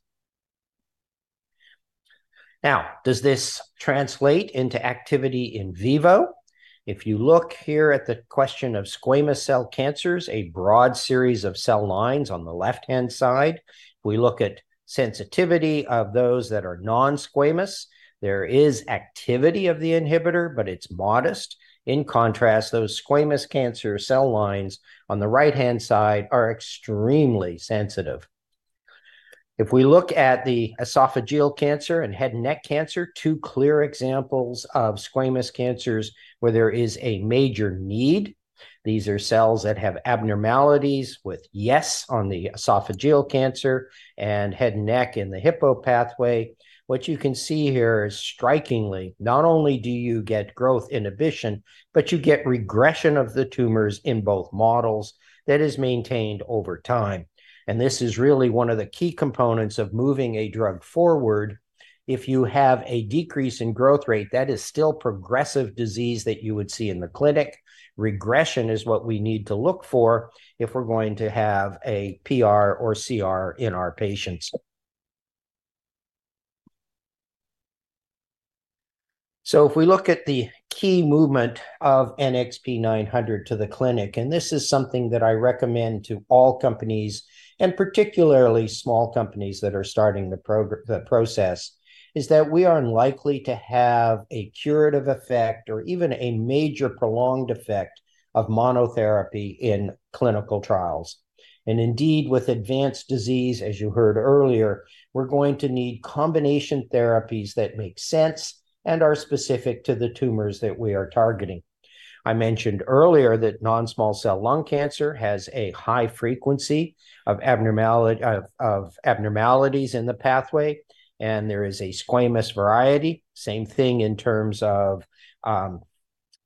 Now, does this translate into activity in vivo? If you look here at the question of squamous cell cancers, a broad series of cell lines on the left-hand side, we look at sensitivity of those that are non-squamous. There is activity of the inhibitor, but it's modest. In contrast, those squamous cancer cell lines on the right-hand side are extremely sensitive. If we look at the esophageal cancer and head and neck cancer, two clear examples of squamous cancers where there is a major need, these are cells that have abnormalities with YES on the esophageal cancer and head and neck in the Hippo pathway. What you can see here is, strikingly, not only do you get growth inhibition, but you get regression of the tumors in both models that is maintained over time, and this is really one of the key components of moving a drug forward.. If you have a decrease in growth rate, that is still progressive disease that you would see in the clinic. Regression is what we need to look for if we're going to have a PR or CR in our patients. So if we look at the key movement of NXP900 to the clinic, and this is something that I recommend to all companies, and particularly small companies that are starting the process, is that we are unlikely to have a curative effect or even a major prolonged effect of monotherapy in clinical trials. And indeed, with advanced disease, as you heard earlier, we're going to need combination therapies that make sense and are specific to the tumors that we are targeting. I mentioned earlier that non-small cell lung cancer has a high frequency of abnormality of, of abnormalities in the pathway, and there is a squamous variety. Same thing in terms of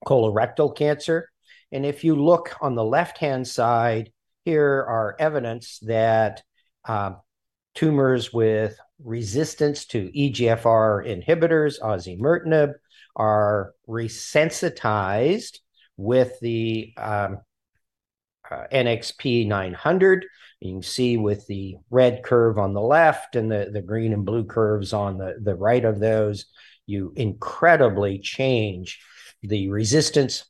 colorectal cancer. And if you look on the left-hand side, here are evidence that tumors with resistance to EGFR inhibitors, osimertinib, are resensitized with the NXP900. You can see with the red curve on the left and the green and blue curves on the right of those, you incredibly change the resistance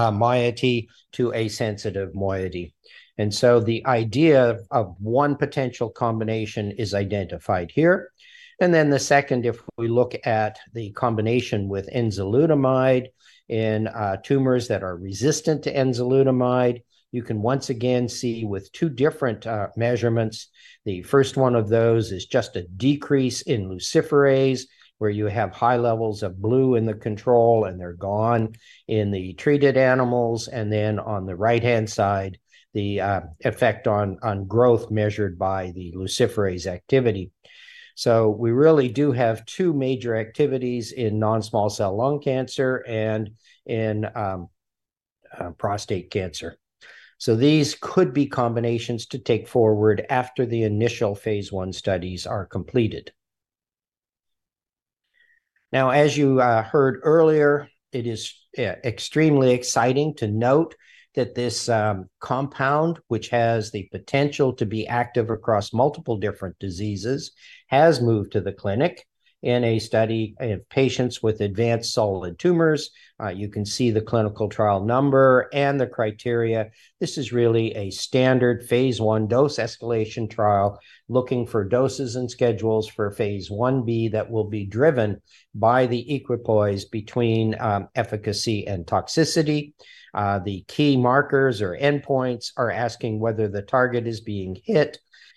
moiety to a sensitive moiety. And so the idea of one potential combination is identified here. And then the second, if we look at the combination with enzalutamide in tumors that are resistant to enzalutamide, you can once again see with two different measurements. The first one of those is just a decrease in luciferase, where you have high levels of blue in the control, and they're gone in the treated animals. Then on the right-hand side, the effect on growth measured by the luciferase activity. We really do have two major activities in non-small cell lung cancer and in prostate cancer. These could be combinations to take forward after the initial phase I studies are completed. Now, as you heard earlier, it is extremely exciting to note that this compound, which has the potential to be active across multiple different diseases, has moved to the clinic in a study of patients with advanced solid tumors. You can see the clinical trial number and the criteria. This is really a standard phase I dose-escalation trial, looking for doses and schedules for phase Ib that will be driven by the equipoise between efficacy and toxicity. The key markers or endpoints are asking whether the target is being hit,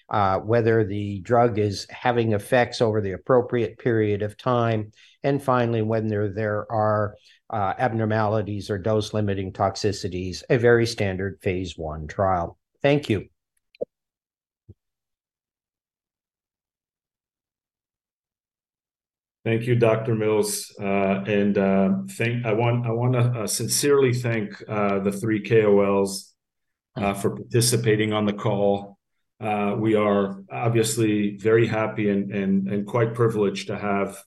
whether the drug is having effects over the appropriate period of time, and finally, whether there are abnormalities or dose-limiting toxicities, a very standard phase I trial. Thank you. Thank you, Dr. Mills. I sincerely thank the three KOLs for participating on the call. We are obviously very happy and quite privileged to have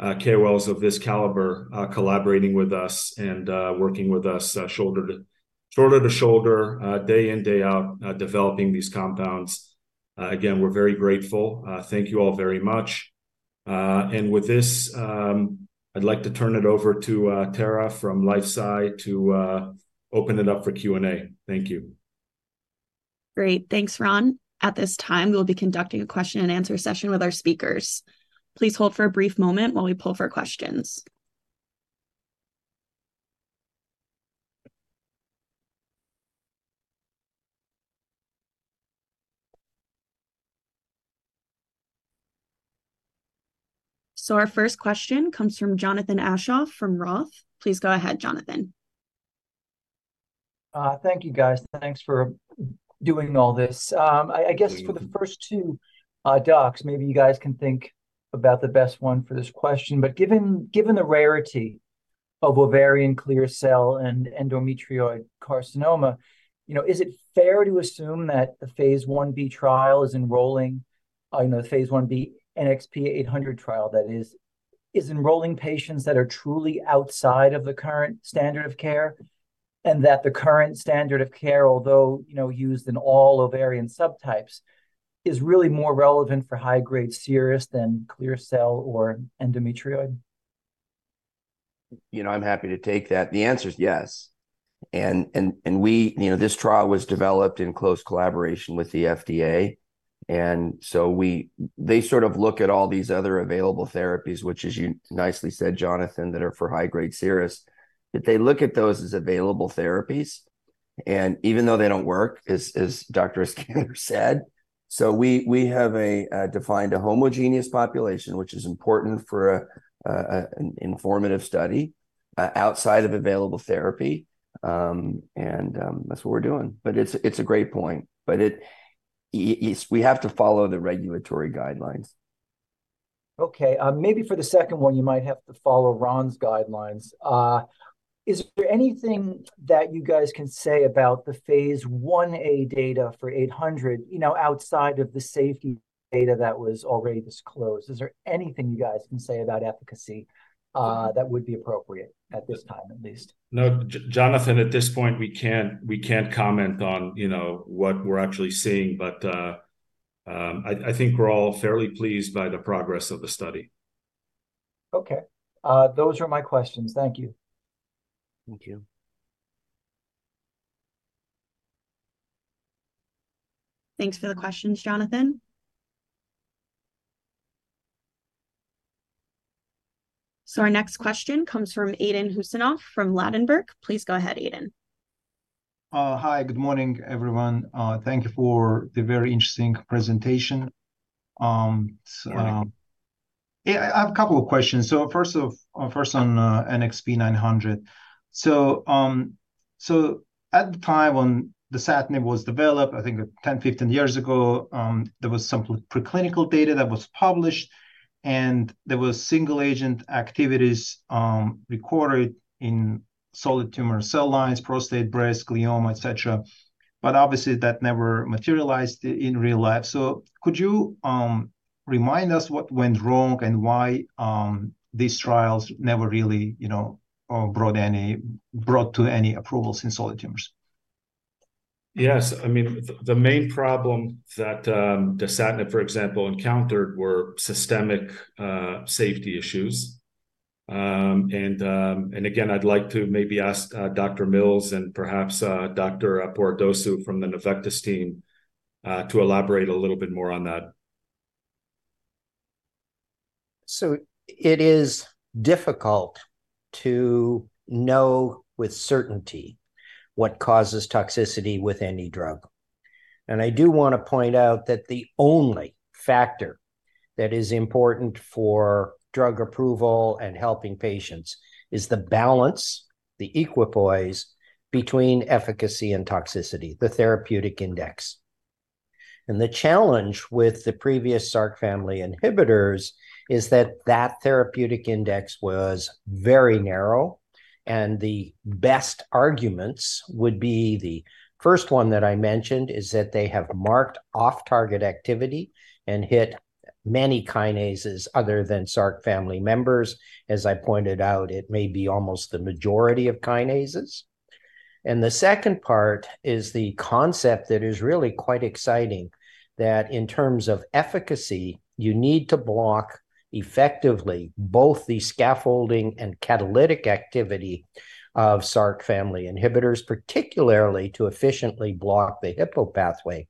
KOLs of this caliber collaborating with us and working with us shoulder to shoulder to shoulder day in, day out developing these compounds. Again, we're very grateful. Thank you all very much. With this, I'd like to turn it over to Tara from LifeSci to open it up for Q&A. Thank you. Great. Thanks, Ron. At this time, we'll be conducting a question and answer session with our speakers. Please hold for a brief moment while we pull for questions. Our first question comes from Jonathan Aschoff from Roth. Please go ahead, Jonathan. Thank you, guys. Thanks for doing all this. I guess- Thank you... for the first two, docs, maybe you guys can think about the best one for this question. But given, given the rarity of ovarian Clear Cell and Endometrioid Carcinoma, you know, is it fair to assume that the phase Ib trial is enrolling, you know, the phase Ib NXP800 trial, that is, is enrolling patients that are truly outside of the current standard of care? And that the current standard of care, although, you know, used in all ovarian subtypes, is really more relevant for high-grade serous than clear cell or endometrioid? You know, I'm happy to take that. The answer is yes. You know, this trial was developed in close collaboration with the FDA, and so we-- they sort of look at all these other available therapies, which as you nicely said, Jonathan, that they look at those as available therapies, and even though they don't work, as Dr. Eskander said. So we have defined a homogeneous population, which is important for an informative study outside of available therapy. That's what we're doing. But it's a great point. But it's-- we have to follow the regulatory guidelines. Okay, maybe for the second one, you might have to follow Ron's guidelines. Is there anything that you guys can say about the phase 1a data for NXP800, you know, outside of the safety data that was already disclosed? Is there anything you guys can say about efficacy that would be appropriate at this time, at least? No, Jonathan, at this point, we can't comment on, you know, what we're actually seeing. But, I think we're all fairly pleased by the progress of the study. Okay, those are my questions. Thank you. Thank you. Thanks for the questions, Jonathan. Our next question comes from Aydin Huseynov from Ladenburg. Please go ahead, Aydin. Hi, good morning, everyone. Thank you for the very interesting presentation. Thank you. Yeah, I have a couple of questions. So first off, first on NXP900. So at the time when dasatinib was developed, I think 10, 15 years ago, there was some preclinical data that was published, and there was single-agent activities recorded in solid tumor cell lines, prostate, breast, glioma, et cetera. But obviously, that never materialized in real life. So could you remind us what went wrong and why these trials never really, you know, brought to any approvals in solid tumors? Yes. I mean, the main problem that dasatinib, for example, encountered were systemic safety issues. And again, I'd like to maybe ask Dr. Mills and perhaps Dr. Poradosu from the Nuvectis team to elaborate a little bit more on that. So it is difficult to know with certainty what causes toxicity with any drug. And I do want to point out that the only factor that is important for drug approval and helping patients is the balance, the equipoise between efficacy and toxicity, the therapeutic index. And the challenge with the previous Src family inhibitors is that, that therapeutic index was very narrow, and the best arguments would be, the first one that I mentioned, is that they have marked off-target activity and hit many kinases other than Src family members. As I pointed out, it may be almost the majority of kinases. And the second part is the concept that is really quite exciting, that in terms of efficacy, you need to block effectively both the scaffolding and catalytic activity of Src family inhibitors, particularly to efficiently block the Hippo pathway.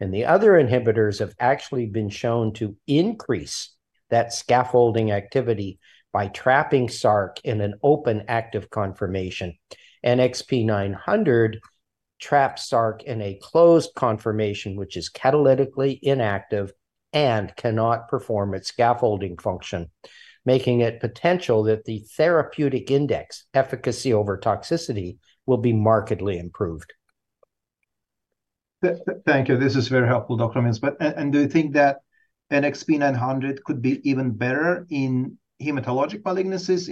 The other inhibitors have actually been shown to increase that scaffolding activity by trapping Src in an open, active conformation. NXP900 traps Src in a closed conformation, which is catalytically inactive and cannot perform its scaffolding function, making it potential that the therapeutic index, efficacy over toxicity, will be markedly improved. Thank you. This is very helpful, Dr. Mills. But... and do you think that NXP900 could be even better in hematologic malignancies,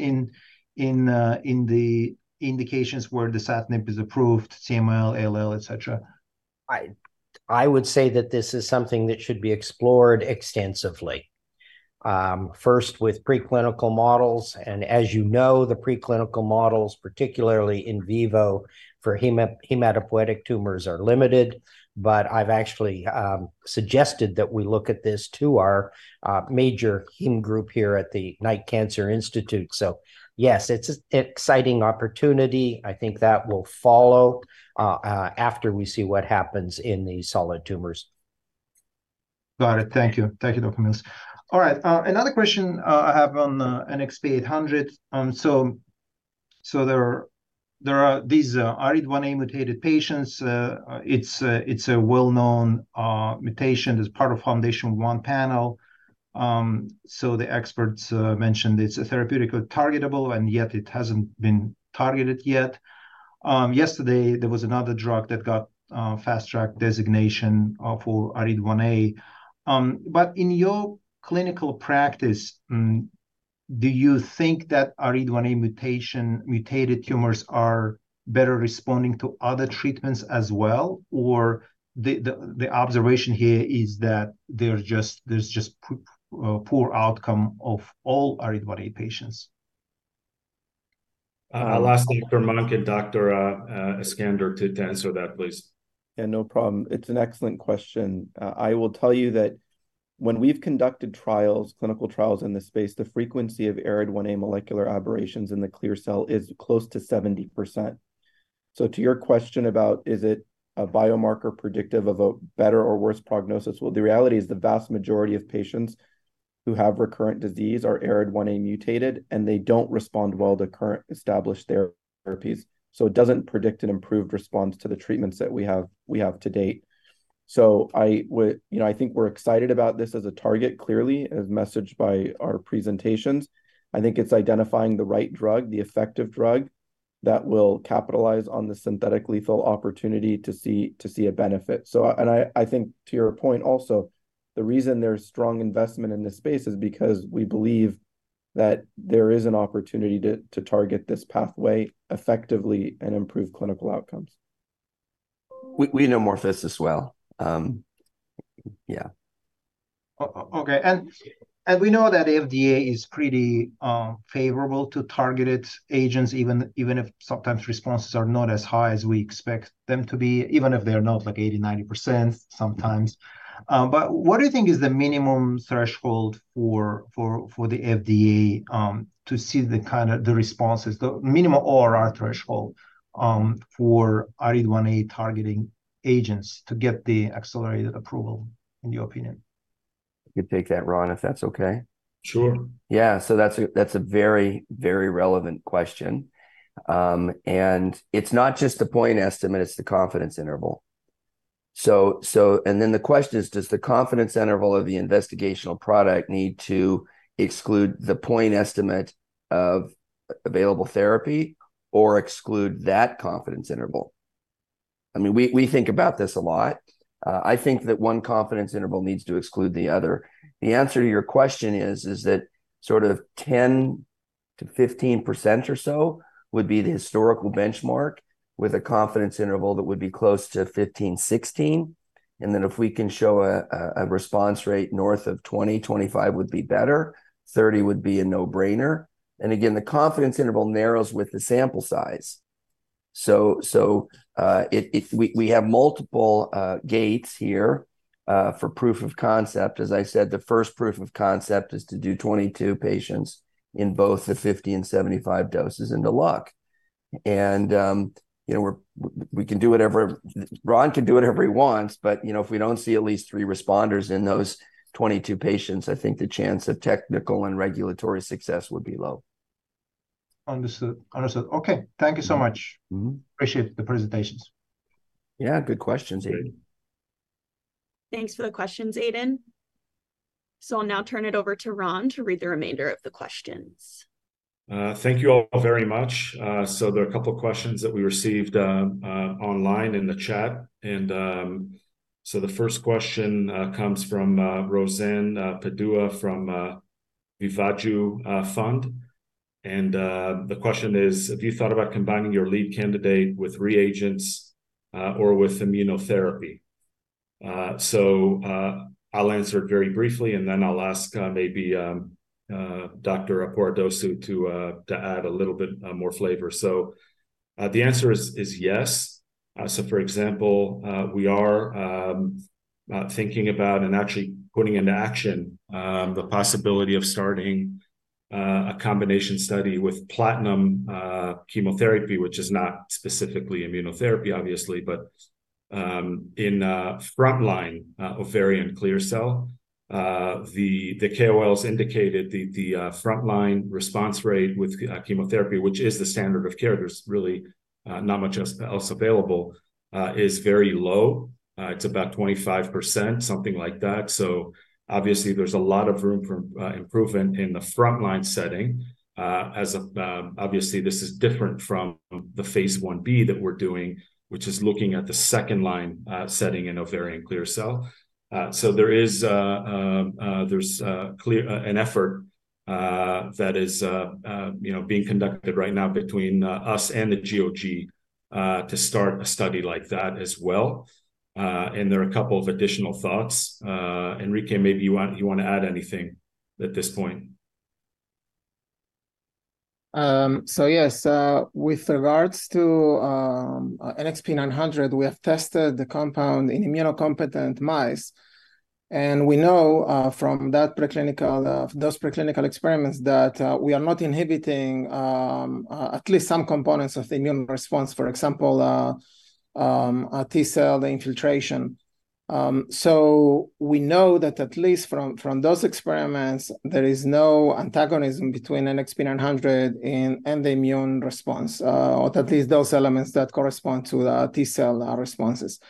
in the indications where dasatinib is approved, CML, ALL, et cetera? I would say that this is something that should be explored extensively. First, with preclinical models, and as you know, the preclinical models, particularly in vivo for hematopoietic tumors, are limited. But I've actually suggested that we look at this to our major heme group here at the Knight Cancer Institute. So yes, it's an exciting opportunity. I think that will follow after we see what happens in the solid tumors. Got it. Thank you. Thank you, Dr. Mills. All right, another question I have on NXP800. So there are these ARID1A-mutated patients. It's a well-known mutation. It's part of FoundationOne panel. So the experts mentioned it's therapeutically targetable, and yet it hasn't been targeted yet. Yesterday, there was another drug that got Fast Track designation for ARID1A. But in your clinical practice, do you think that ARID1A mutation-mutated tumors are better responding to other treatments as well? Or the observation here is that there's just poor outcome of all ARID1A patients. I'll ask Dr. Monk and Dr. Eskander to answer that, please. Yeah, no problem. It's an excellent question. I will tell you that when we've conducted trials, clinical trials in this space, the frequency of ARID1A molecular aberrations in the clear cell is close to 70%. So to your question about, is it a biomarker predictive of a better or worse prognosis? Well, the reality is, the vast majority of patients who have recurrent disease are ARID1A mutated, and they don't respond well to current established therapies. So it doesn't predict an improved response to the treatments that we have, we have to date. So I would- you know, I think we're excited about this as a target, clearly, as messaged by our presentations. I think it's identifying the right drug, the effective drug, that will capitalize on the synthetic lethal opportunity to see a benefit. I think, to your point also, the reason there's strong investment in this space is because we believe that there is an opportunity to target this pathway effectively and improve clinical outcomes. We know Morpheus as well. Yeah. Okay. And we know that FDA is pretty favorable to targeted agents, even if sometimes responses are not as high as we expect them to be, even if they are not, like, 80, 90% sometimes. But what do you think is the minimum threshold for the FDA to see the responses, the minimum ORR threshold, for ARID1A-targeting agents to get the accelerated approval, in your opinion? I could take that, Ron, if that's okay. Sure. Yeah. So that's a, that's a very, very relevant question. And it's not just the point estimate, it's the confidence interval. So... And then the question is, does the confidence interval of the investigational product need to exclude the point estimate of available therapy or exclude that confidence interval? I mean, we think about this a lot. I think that one confidence interval needs to exclude the other. The answer to your question is, is that sort of 10%-15% or so would be the historical benchmark, with a confidence interval that would be close to 15, 16. And then if we can show a response rate north of 20, 25 would be better, 30 would be a no-brainer. And again, the confidence interval narrows with the sample size. We have multiple gates here for proof of concept. As I said, the first proof of concept is to do 22 patients in both the 50 and 75 doses in the luck. You know, we can do whatever... Ron can do whatever he wants, but, you know, if we don't see at least three responders in those 22 patients, I think the chance of technical and regulatory success would be low. Understood. Understood. Okay, thank you so much. Mm-hmm. Appreciate the presentations. Yeah, good questions, Aydin. Thanks for the questions, Aydin. I'll now turn it over to Ron to read the remainder of the questions. Thank you all very much. There are a couple of questions that we received online in the chat. The first question comes from Rose Ann Padua from Vivaldi Fund. The question is: Have you thought about combining your lead candidate with reagents or with immunotherapy? I'll answer it very briefly, and then I'll ask maybe Dr. Poradosu to add a little bit more flavor. The answer is yes. For example, we are thinking about and actually putting into action the possibility of starting a combination study with platinum chemotherapy, which is not specifically immunotherapy, obviously. In frontline ovarian clear cell, the KOLs indicated the frontline response rate with chemotherapy, which is the standard of care, there's really not much else available, is very low. It's about 25%, something like that. So obviously, there's a lot of room for improvement in the frontline setting. Obviously, this is different from the phase Ib that we're doing, which is looking at the second-line setting in ovarian clear cell. So there's clearly an effort that is, you know, being conducted right now between us and the GOG to start a study like that as well. And there are a couple of additional thoughts. Enrique, maybe you want to add anything at this point? So yes, with regards to NXP900, we have tested the compound in immunocompetent mice, and we know from that preclinical, those preclinical experiments, that we are not inhibiting at least some components of the immune response, for example, a T cell infiltration. So we know that at least from those experiments, there is no antagonism between NXP900 and the immune response, or at least those elements that correspond to the T cell responses.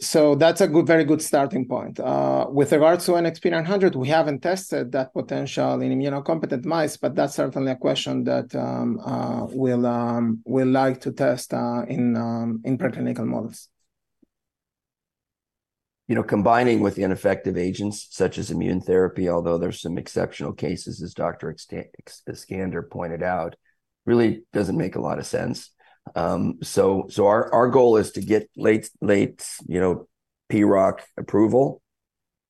So that's a good, very good starting point. With regards to NXP900, we haven't tested that potential in immunocompetent mice, but that's certainly a question that we'll like to test in preclinical models. You know, combining with the ineffective agents, such as immune therapy, although there's some exceptional cases, as Dr. Eskander pointed out, really doesn't make a lot of sense. So, our goal is to get late-line, you know, PROC approval,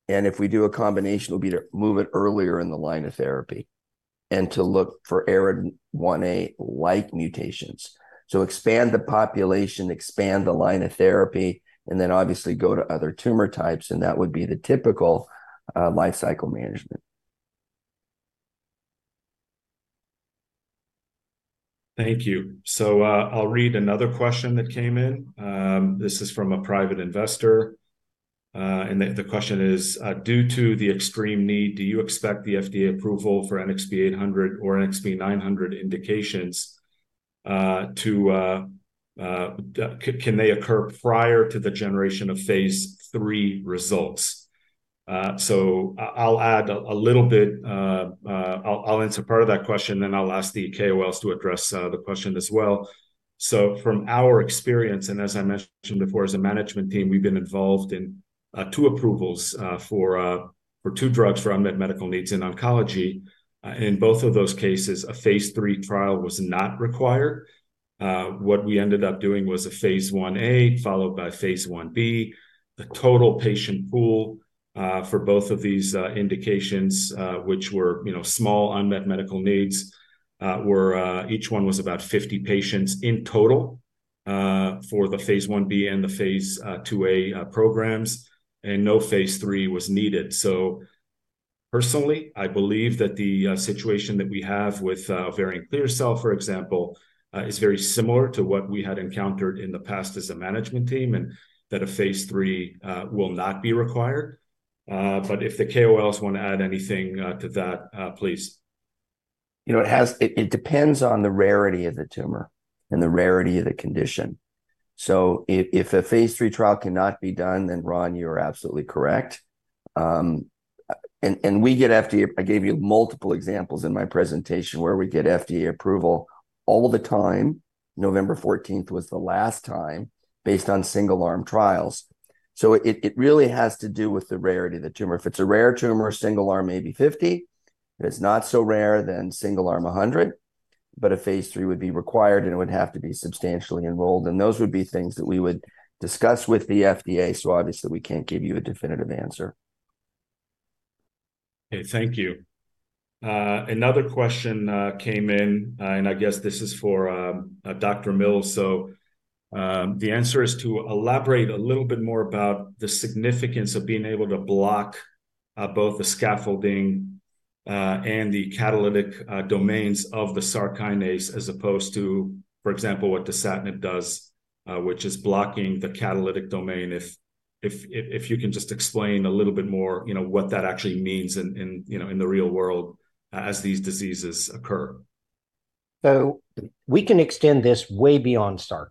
and if we do a combination, it'll be to move it earlier in the line of therapy and to look for ARID1A-like mutations. So expand the population, expand the line of therapy, and then obviously go to other tumor types, and that would be the typical life cycle management. Thank you. So, I'll read another question that came in. This is from a private investor, and the question is: "Due to the extreme need, do you expect the FDA approval for NXP800 or NXP900 indications? Can they occur prior to the generation of phase III results?" So, I'll add a little bit. I'll answer part of that question, then I'll ask the KOLs to address the question as well. So from our experience, and as I mentioned before, as a management team, we've been involved in two approvals for two drugs for unmet medical needs in oncology. In both of those cases, a phase III trial was not required. What we ended up doing was a phase I-A, followed by phase I-B. The total patient pool, for both of these, indications, which were, you know, small unmet medical needs, were, each one was about 50 patients in total, for the phase Ib and the phase IIa, programs, and no phase III was needed. So personally, I believe that the, situation that we have with, ovarian clear cell, for example, is very similar to what we had encountered in the past as a management team, and that a phase III, will not be required. But if the KOLs want to add anything, to that, please. You know, it depends on the rarity of the tumor and the rarity of the condition. So if a phase III trial cannot be done, then, Ron, you are absolutely correct. And we get FDA approval. I gave you multiple examples in my presentation, where we get FDA approval all the time. November 14th was the last time, based on single-arm trials. So it really has to do with the rarity of the tumor. If it's a rare tumor, a single arm may be 50. If it's not so rare, then single arm, 100. But a phase III would be required, and it would have to be substantially enrolled, and those would be things that we would discuss with the FDA. So obviously, we can't give you a definitive answer. Okay, thank you. Another question came in, and I guess this is for Dr. Mills. So, the answer is to elaborate a little bit more about the significance of being able to block both the scaffolding and the catalytic domains of the Src kinase, as opposed to, for example, what dasatinib does, which is blocking the catalytic domain. If you can just explain a little bit more, you know, what that actually means in, you know, in the real world, as these diseases occur. So we can extend this way beyond Src.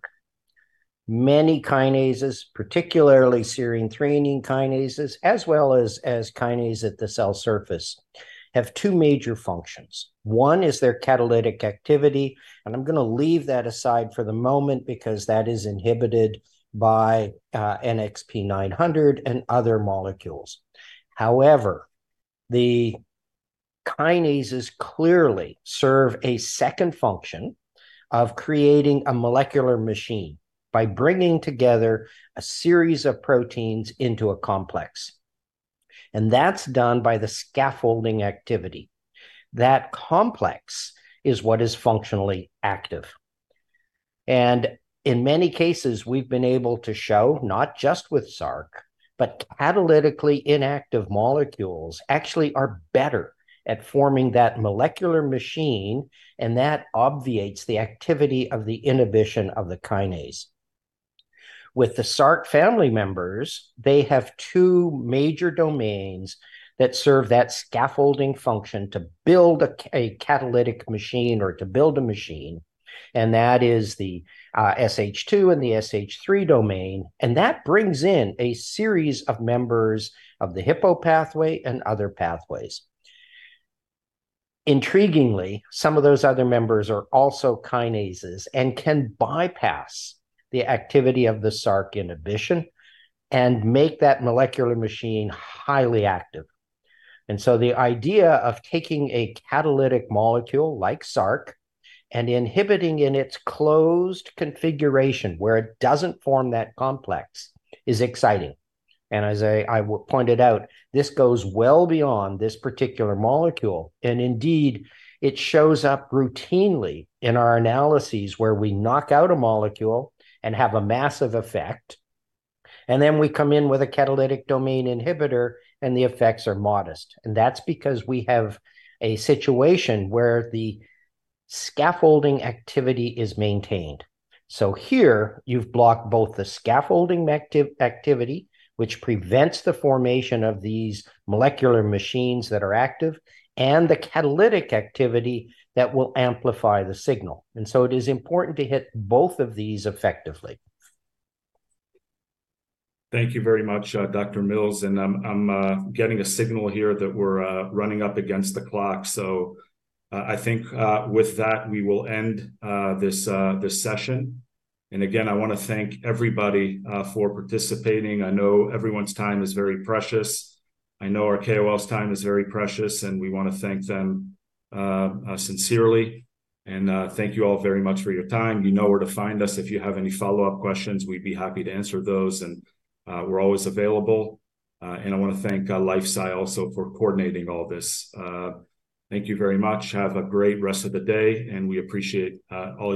Many kinases, particularly serine/threonine kinases, as well as kinases at the cell surface, have two major functions. One is their catalytic activity, and I'm gonna leave that aside for the moment because that is inhibited by NXP900 and other molecules. However, the kinases clearly serve a second function of creating a molecular machine by bringing together a series of proteins into a complex, and that's done by the scaffolding activity. That complex is what is functionally active. In many cases, we've been able to show, not just with Src, but catalytically inactive molecules actually are better at forming that molecular machine, and that obviates the activity of the inhibition of the kinase. With the Src family members, they have two major domains that serve that scaffolding function to build a catalytic machine or to build a machine, and that is the SH2 and the SH3 domain, and that brings in a series of members of the Hippo pathway and other pathways. Intriguingly, some of those other members are also kinases and can bypass the activity of the Src inhibition and make that molecular machine highly active. And so the idea of taking a catalytic molecule, like Src, and inhibiting in its closed configuration, where it doesn't form that complex, is exciting. And as I pointed out, this goes well beyond this particular molecule, and indeed, it shows up routinely in our analyses, where we knock out a molecule and have a massive effect, and then we come in with a catalytic domain inhibitor, and the effects are modest. That's because we have a situation where the scaffolding activity is maintained. So here, you've blocked both the scaffolding activity, which prevents the formation of these molecular machines that are active, and the catalytic activity that will amplify the signal. And so it is important to hit both of these effectively. Thank you very much, Dr. Mills. And I'm getting a signal here that we're running up against the clock. So, I think, with that, we will end this session. And again, I wanna thank everybody for participating. I know everyone's time is very precious. I know our KOLs' time is very precious, and we wanna thank them sincerely, and thank you all very much for your time. You know where to find us if you have any follow-up questions. We'd be happy to answer those, and we're always available. And I wanna thank LifeSci also for coordinating all this. Thank you very much. Have a great rest of the day, and we appreciate all of your-